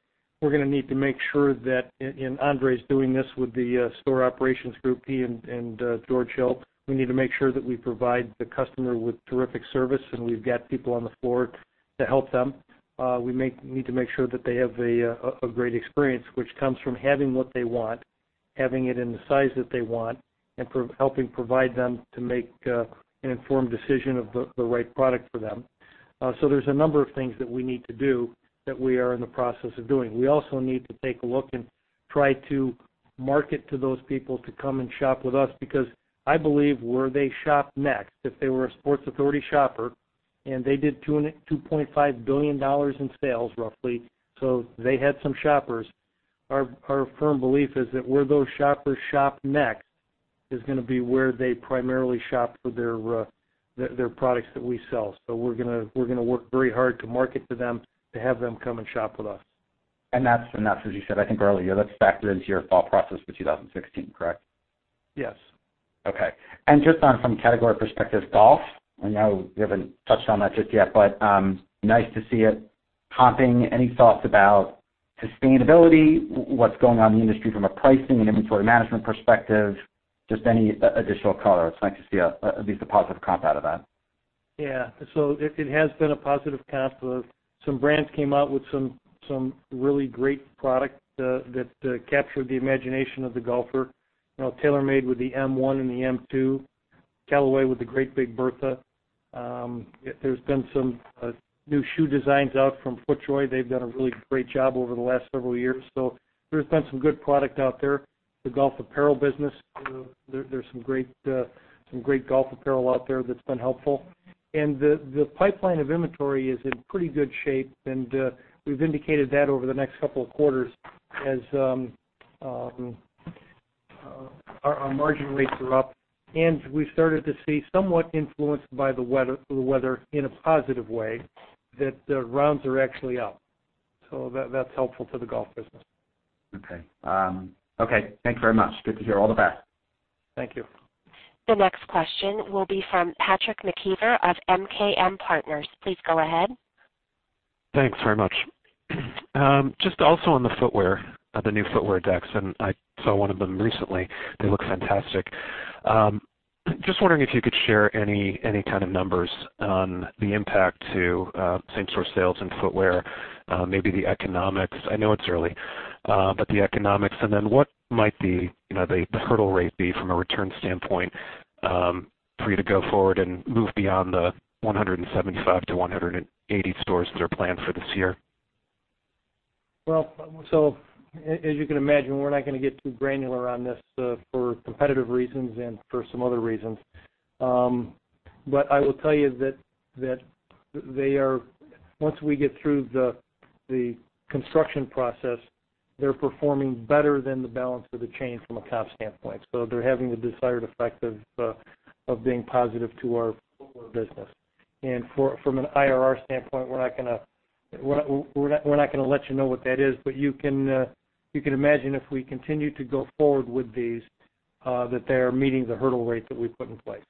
We're going to need to make sure that, and André's doing this with the store operations group, he and George help. We need to make sure that we provide the customer with terrific service, and we've got people on the floor to help them. We may need to make sure that they have a great experience, which comes from having what they want, having it in the size that they want, and helping provide them to make an informed decision of the right product for them. There's a number of things that we need to do that we are in the process of doing. We also need to take a look and try to market to those people to come and shop with us because I believe where they shop next, if they were a Sports Authority shopper and they did $2.5 billion in sales roughly, so they had some shoppers. Our firm belief is that where those shoppers shop next is going to be where they primarily shop for their products that we sell. We're going to work very hard to market to them to have them come and shop with us.
That's as you said, I think earlier, that's factored into your fall process for 2016, correct?
Yes.
Okay. Just on from category perspective, golf. I know we haven't touched on that just yet, but nice to see it comping. Any thoughts about sustainability? What's going on in the industry from a pricing and inventory management perspective? Just any additional color. It's nice to see at least a positive comp out of that.
Yeah. It has been a positive comp. Some brands came out with some really great product that captured the imagination of the golfer. TaylorMade with the M one and the M two, Callaway with the Great Big Bertha. There's been some new shoe designs out from FootJoy. They've done a really great job over the last several years. There's been some good product out there. The golf apparel business, there's some great golf apparel out there that's been helpful. The pipeline of inventory is in pretty good shape, and we've indicated that over the next couple of quarters as our margin rates are up, and we started to see somewhat influenced by the weather in a positive way, that rounds are actually up. That's helpful to the golf business.
Okay. Thanks very much. Good to hear. All the best.
Thank you.
The next question will be from Patrick McKeever of MKM Partners. Please go ahead.
Thanks very much. Just also on the footwear, the new footwear decks, I saw one of them recently. They look fantastic. Just wondering if you could share any kind of numbers on the impact to same-store sales in footwear, maybe the economics. I know it's early, the economics, what might the hurdle rate be from a return standpoint for you to go forward and move beyond the 175 to 180 stores that are planned for this year?
As you can imagine, we're not going to get too granular on this for competitive reasons and for some other reasons. I will tell you that once we get through the construction process, they're performing better than the balance of the chain from a comp standpoint. They're having the desired effect of being positive to our footwear business. From an IRR standpoint, we're not going to let you know what that is, you can imagine if we continue to go forward with these, that they are meeting the hurdle rate that we put in place.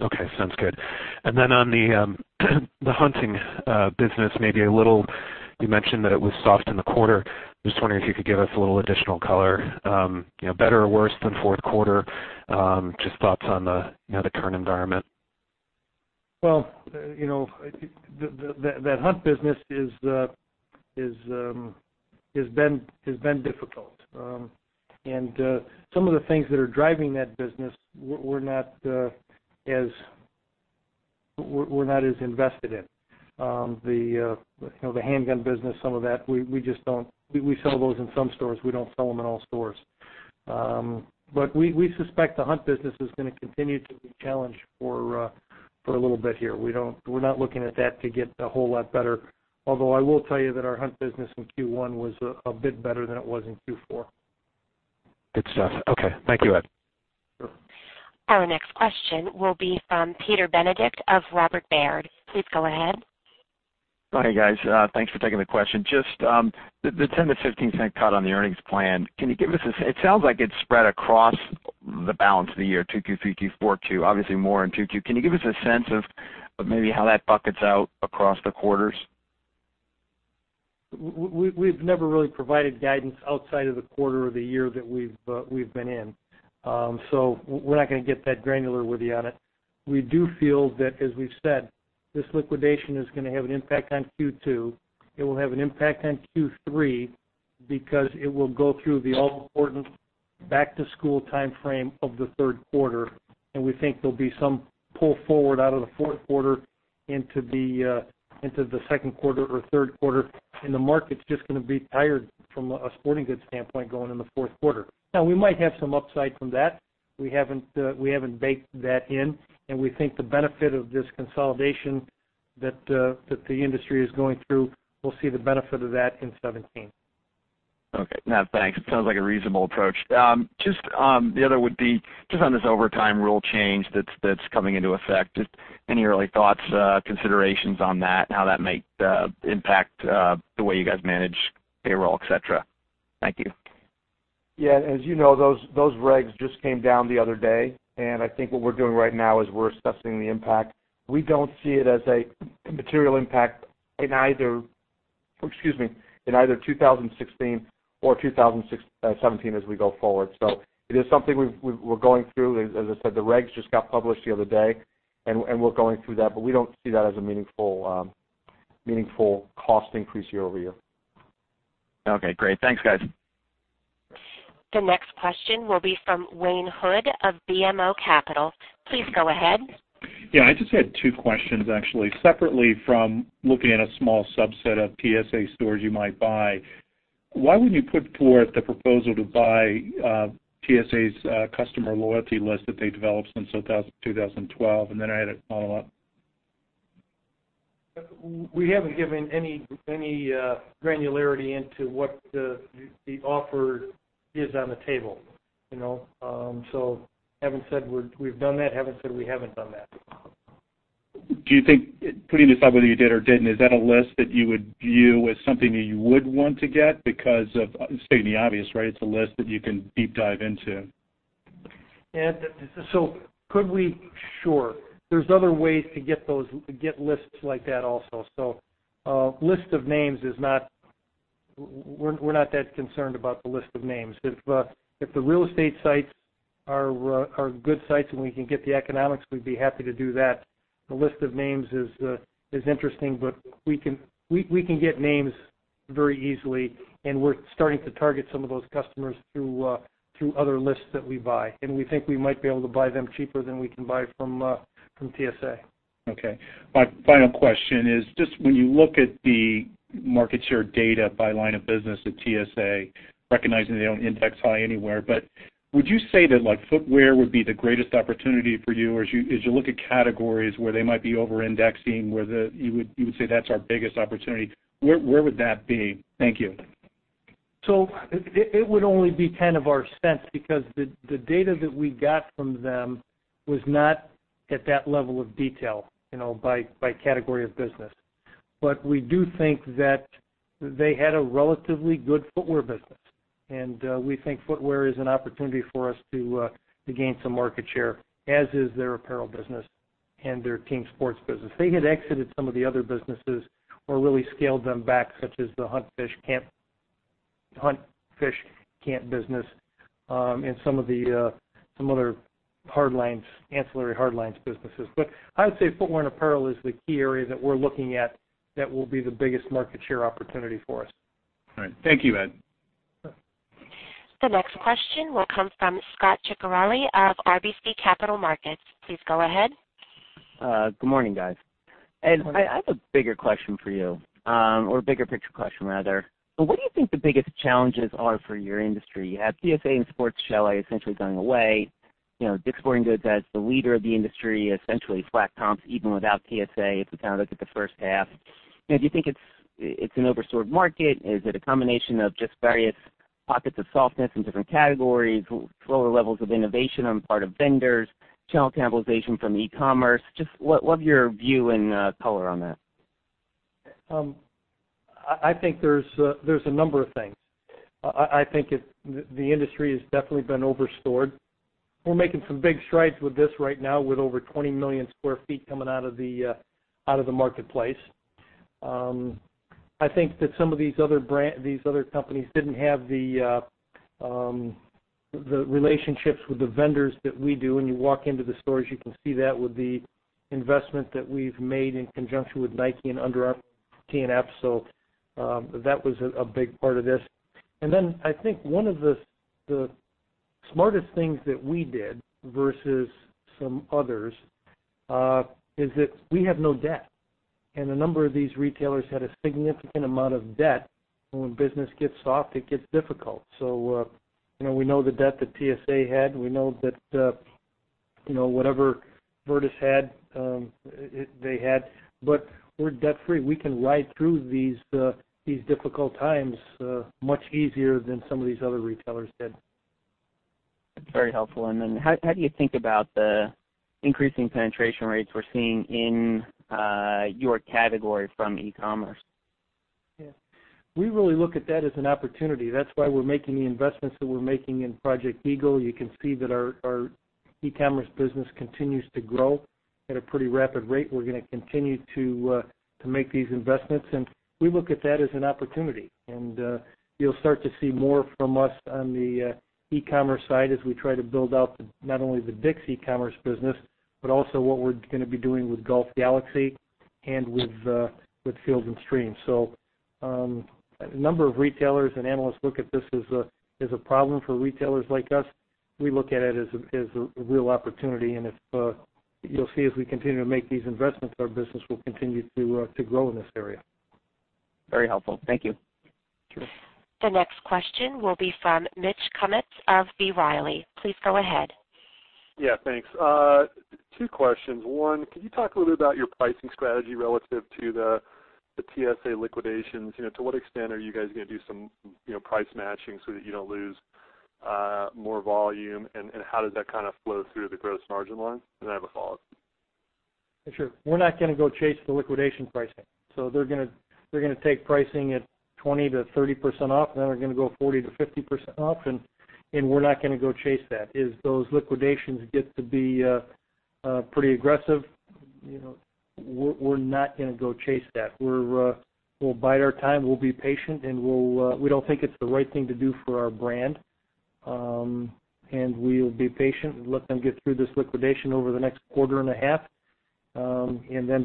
Okay. Sounds good. On the hunting business, you mentioned that it was soft in the quarter. Just wondering if you could give us a little additional color. Better or worse than fourth quarter, just thoughts on the current environment.
That hunt business has been difficult. Some of the things that are driving that business, we're not as invested in. The handgun business, some of that, we sell those in some stores. We don't sell them in all stores. We suspect the hunt business is going to continue to be challenged for a little bit here. We're not looking at that to get a whole lot better, although I will tell you that our hunt business in Q1 was a bit better than it was in Q4.
Good stuff. Okay. Thank you, Ed.
Sure.
Our next question will be from Peter Benedict of Robert W. Baird. Please go ahead.
Oh, hey, guys. Thanks for taking the question. Just the $0.10 to $0.15 cut on the earnings plan. It sounds like it's spread across the balance of the year, 2Q, 3Q, 4Q, obviously more in 2Q. Can you give us a sense of maybe how that buckets out across the quarters?
We've never really provided guidance outside of the quarter or the year that we've been in. We're not going to get that granular with you on it. We do feel that, as we've said, this liquidation is going to have an impact on Q2. It will have an impact on Q3 because it will go through the all-important back-to-school timeframe of the third quarter, and we think there'll be some pull forward out of the fourth quarter into the second quarter or third quarter, and the market's just going to be tired from a sporting goods standpoint going into the fourth quarter. Now, we might have some upside from that. We haven't baked that in. We think the benefit of this consolidation that the industry is going through, we'll see the benefit of that in 2017.
Okay. No, thanks. It sounds like a reasonable approach. The other would be just on this overtime rule change that's coming into effect. Any early thoughts, considerations on that and how that might impact the way you guys manage payroll, et cetera? Thank you.
Yeah. As you know, those regs just came down the other day. I think what we're doing right now is we're assessing the impact. We don't see it as a material impact in either 2016 or 2017 as we go forward. It is something we're going through. As I said, the regs just got published the other day. We're going through that. We don't see that as a meaningful cost increase year-over-year.
Okay, great. Thanks, guys.
The next question will be from Wayne Hood of BMO Capital. Please go ahead.
I just had two questions, actually. Separately from looking at a small subset of TSA stores you might buy, why wouldn't you put forth the proposal to buy TSA's customer loyalty list that they developed since 2012? I had a follow-up.
We haven't given any granularity into what the offer is on the table. Haven't said we've done that, haven't said we haven't done that.
Do you think putting this out whether you did or didn't, is that a list that you would view as something that you would want to get because of stating the obvious, right? It's a list that you can deep dive into.
Could we? Sure. There's other ways to get lists like that also. We're not that concerned about the list of names. If the real estate sites are good sites and we can get the economics, we'd be happy to do that. The list of names is interesting, we can get names very easily, and we're starting to target some of those customers through other lists that we buy, and we think we might be able to buy them cheaper than we can buy from TSA.
My final question is just when you look at the market share data by line of business at TSA, recognizing they don't index high anywhere, would you say that footwear would be the greatest opportunity for you as you look at categories where they might be over-indexing, where you would say that's our biggest opportunity. Where would that be? Thank you.
It would only be our sense because the data that we got from them was not at that level of detail, by category of business. We do think that they had a relatively good footwear business, and we think footwear is an opportunity for us to gain some market share, as is their apparel business and their team sports business. They had exited some of the other businesses or really scaled them back, such as the hunt, fish, camp business, and some other ancillary hard lines businesses. I would say footwear and apparel is the key area that we're looking at that will be the biggest market share opportunity for us.
Thank you, Ed.
The next question will come from Scot Ciccarelli of RBC Capital Markets. Please go ahead.
Good morning, guys. Ed, I have a bigger question for you, or bigger picture question rather. What do you think the biggest challenges are for your industry? You have TSA and Sport Chalet essentially going away, DICK’S Sporting Goods as the leader of the industry, essentially flat comps, even without TSA, if we look at the first half. Do you think it's an over-stored market? Is it a combination of just various pockets of softness in different categories, lower levels of innovation on part of vendors, channel cannibalization from e-commerce? Just what's your view and color on that?
I think there's a number of things. I think the industry has definitely been over-stored. We're making some big strides with this right now with over 20 million square feet coming out of the marketplace. I think that some of these other companies didn't have the relationships with the vendors that we do. When you walk into the stores, you can see that with the investment that we've made in conjunction with Nike and Under Armour, TNF. That was a big part of this. I think one of the smartest things that we did versus some others, is that we have no debt. A number of these retailers had a significant amount of debt, and when business gets soft, it gets difficult. We know the debt that TSA had. We know that whatever Virtus had, they had. We're debt-free. We can ride through these difficult times much easier than some of these other retailers did.
Very helpful. How do you think about the increasing penetration rates we're seeing in your category from e-commerce?
Yeah. We really look at that as an opportunity. That's why we're making the investments that we're making in Project Eagle. You can see that our e-commerce business continues to grow at a pretty rapid rate. We're going to continue to make these investments, and we look at that as an opportunity. You'll start to see more from us on the e-commerce side as we try to build out not only the DICK’S e-commerce business, but also what we're going to be doing with Golf Galaxy and with Field & Stream. A number of retailers and analysts look at this as a problem for retailers like us. We look at it as a real opportunity, and you'll see as we continue to make these investments, our business will continue to grow in this area.
Very helpful. Thank you.
Sure.
The next question will be from Mitch Kummetz of B. Riley. Please go ahead.
Yeah, thanks. Two questions. One, can you talk a little bit about your pricing strategy relative to the TSA liquidations? To what extent are you guys going to do some price matching so that you don't lose more volume? How does that kind of flow through the gross margin line? I have a follow-up.
Sure. We're not going to go chase the liquidation pricing. They're going to take pricing at 20%-30% off, they're going to go 40%-50% off, we're not going to go chase that. If those liquidations get to be pretty aggressive, we're not going to go chase that. We'll bide our time, we'll be patient, we don't think it's the right thing to do for our brand. We'll be patient and let them get through this liquidation over the next quarter and a half.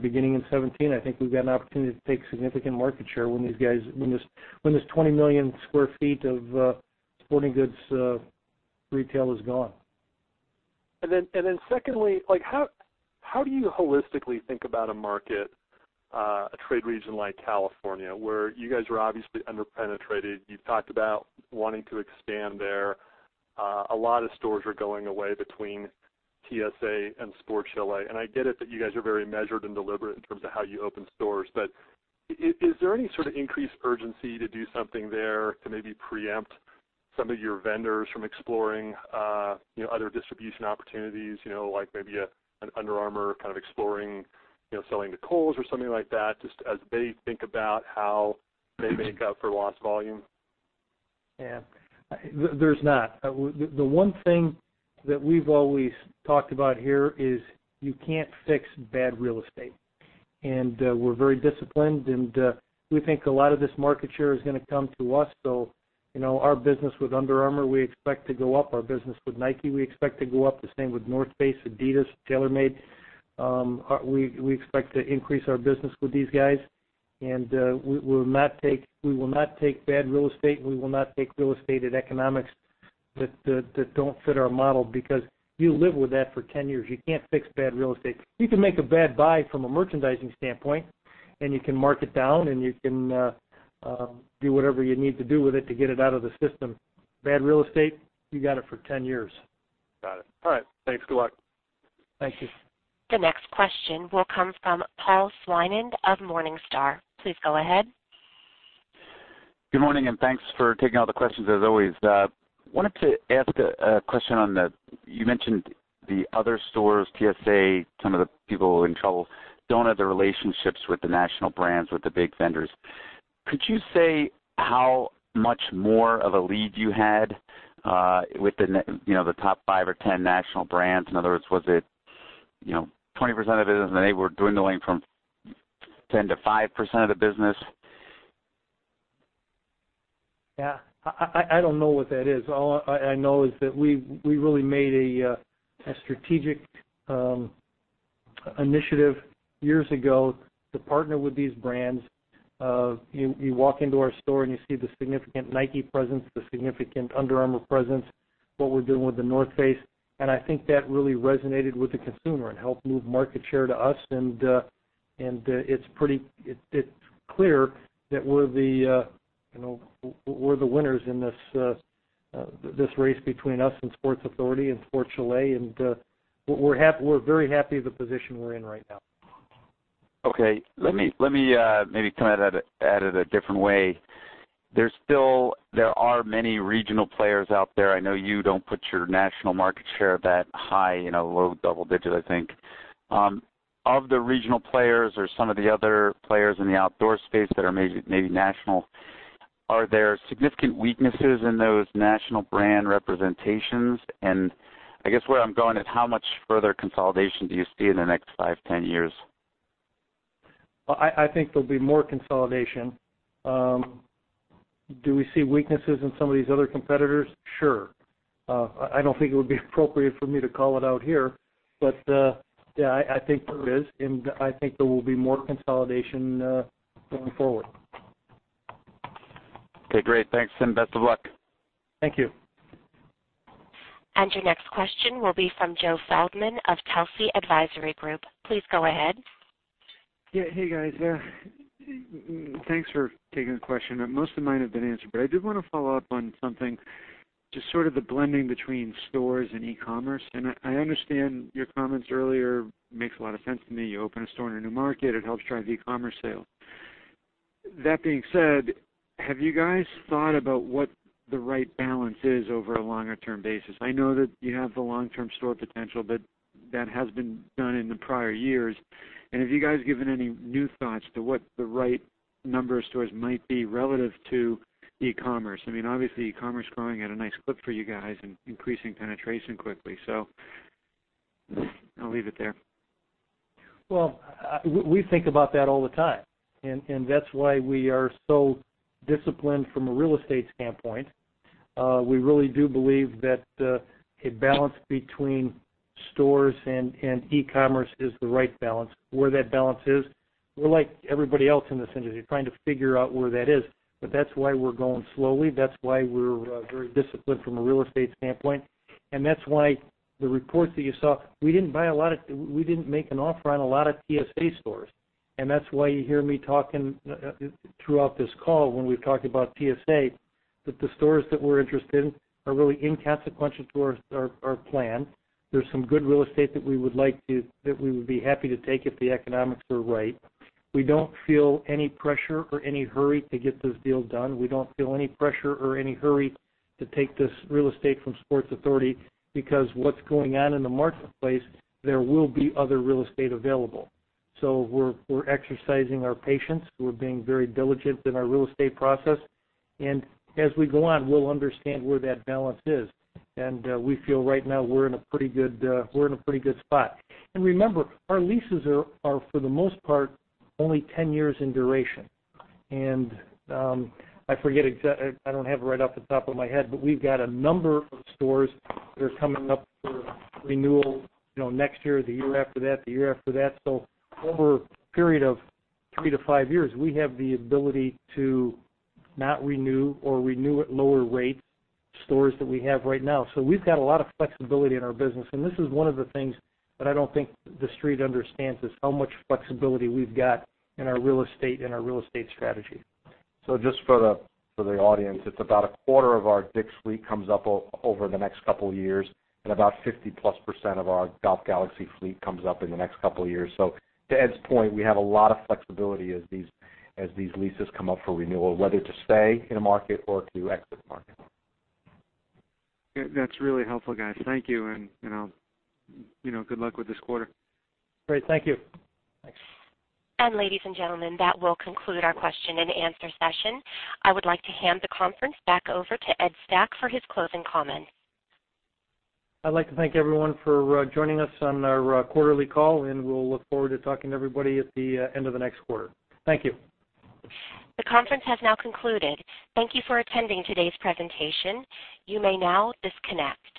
Beginning in 2017, I think we've got an opportunity to take significant market share when this 20 million sq ft of sporting goods retail is gone.
Secondly, how do you holistically think about a market, a trade region like California, where you guys are obviously under-penetrated. You've talked about wanting to expand there. A lot of stores are going away between TSA and Sport Chalet, I get it that you guys are very measured and deliberate in terms of how you open stores. Is there any sort of increased urgency to do something there to maybe preempt some of your vendors from exploring other distribution opportunities, like maybe an Under Armour kind of exploring selling to Kohl's or something like that, just as they think about how they make up for lost volume?
Yeah. There's not. The one thing that we've always talked about here is you can't fix bad real estate. We're very disciplined, we think a lot of this market share is going to come to us, our business with Under Armour, we expect to go up. Our business with Nike, we expect to go up. The same with North Face, Adidas, TaylorMade. We expect to increase our business with these guys. We will not take bad real estate, we will not take real estate at economics that don't fit our model because you live with that for 10 years. You can't fix bad real estate. You can make a bad buy from a merchandising standpoint, you can mark it down, you can do whatever you need to do with it to get it out of the system. Bad real estate, you got it for 10 years.
Got it. All right. Thanks. Good luck.
Thank you.
The next question will come from Paul Swinand of Morningstar. Please go ahead.
Good morning. Thanks for taking all the questions, as always. Wanted to ask a question on the-- You mentioned the other stores, TSA, some of the people in trouble don't have the relationships with the national brands, with the big vendors. Could you say how much more of a lead you had, with the top five or 10 national brands? In other words, was it 20% of business, and they were dwindling from 10% to 5% of the business?
Yeah. I don't know what that is. All I know is that we really made a strategic initiative years ago to partner with these brands. You walk into our store, and you see the significant Nike presence, the significant Under Armour presence, what we're doing with The North Face, I think that really resonated with the consumer and helped move market share to us. It's clear that we're the winners in this race between us and Sports Authority and Sport Chalet. We're very happy with the position we're in right now.
Okay. Let me maybe come at it a different way. There are many regional players out there. I know you don't put your national market share that high, low double digits, I think. Of the regional players or some of the other players in the outdoor space that are maybe national, are there significant weaknesses in those national brand representations? I guess where I'm going is, how much further consolidation do you see in the next five, 10 years?
Well, I think there'll be more consolidation. Do we see weaknesses in some of these other competitors? Sure. I don't think it would be appropriate for me to call it out here, yeah, I think there is, I think there will be more consolidation going forward.
Okay, great. Thanks, best of luck.
Thank you.
Your next question will be from Joe Feldman of Telsey Advisory Group. Please go ahead.
Yeah. Hey, guys. Thanks for taking the question. Most of mine have been answered, but I did want to follow up on something, just sort of the blending between stores and e-commerce. I understand your comments earlier. Makes a lot of sense to me. You open a store in a new market; it helps drive e-commerce sales. That being said, have you guys thought about what the right balance is over a longer-term basis? I know that you have the long-term store potential, but that has been done in the prior years. Have you guys given any new thoughts to what the right number of stores might be relative to e-commerce? Obviously, e-commerce is growing at a nice clip for you guys and increasing penetration quickly. I'll leave it there.
Well, we think about that all the time, that's why we are so disciplined from a real estate standpoint. We really do believe that a balance between stores and e-commerce is the right balance. Where that balance is, we're like everybody else in this industry, trying to figure out where that is. That's why we're going slowly. That's why we're very disciplined from a real estate standpoint. That's why the report that you saw, we didn't make an offer on a lot of TSA stores. That's why you hear me talking throughout this call when we've talked about TSA, that the stores that we're interested in are really inconsequential to our plan. There's some good real estate that we would be happy to take if the economics were right. We don't feel any pressure or any hurry to get this deal done. We don't feel any pressure or any hurry to take this real estate from Sports Authority because what's going on in the marketplace, there will be other real estate available. We're exercising our patience. We're being very diligent in our real estate process. As we go on, we'll understand where that balance is. We feel right now we're in a pretty good spot. Remember, our leases are, for the most part, only 10 years in duration. I don't have it right off the top of my head, but we've got a number of stores that are coming up for renewal next year or the year after that. Over a period of three to five years, we have the ability to not renew or renew at lower rate stores that we have right now. We've got a lot of flexibility in our business, and this is one of the things that I don't think the Street understands, is how much flexibility we've got in our real estate strategy.
Just for the audience, it's about a quarter of our DICK'S fleet comes up over the next couple of years, and about 50-plus % of our Golf Galaxy fleet comes up in the next couple of years. To Ed's point, we have a lot of flexibility as these leases come up for renewal, whether to stay in a market or to exit the market.
That's really helpful, guys. Thank you, and good luck with this quarter.
Great. Thank you.
Thanks.
Ladies and gentlemen, that will conclude our question and answer session. I would like to hand the conference back over to Ed Stack for his closing comments.
I'd like to thank everyone for joining us on our quarterly call, and we'll look forward to talking to everybody at the end of the next quarter. Thank you.
The conference has now concluded. Thank you for attending today's presentation. You may now disconnect.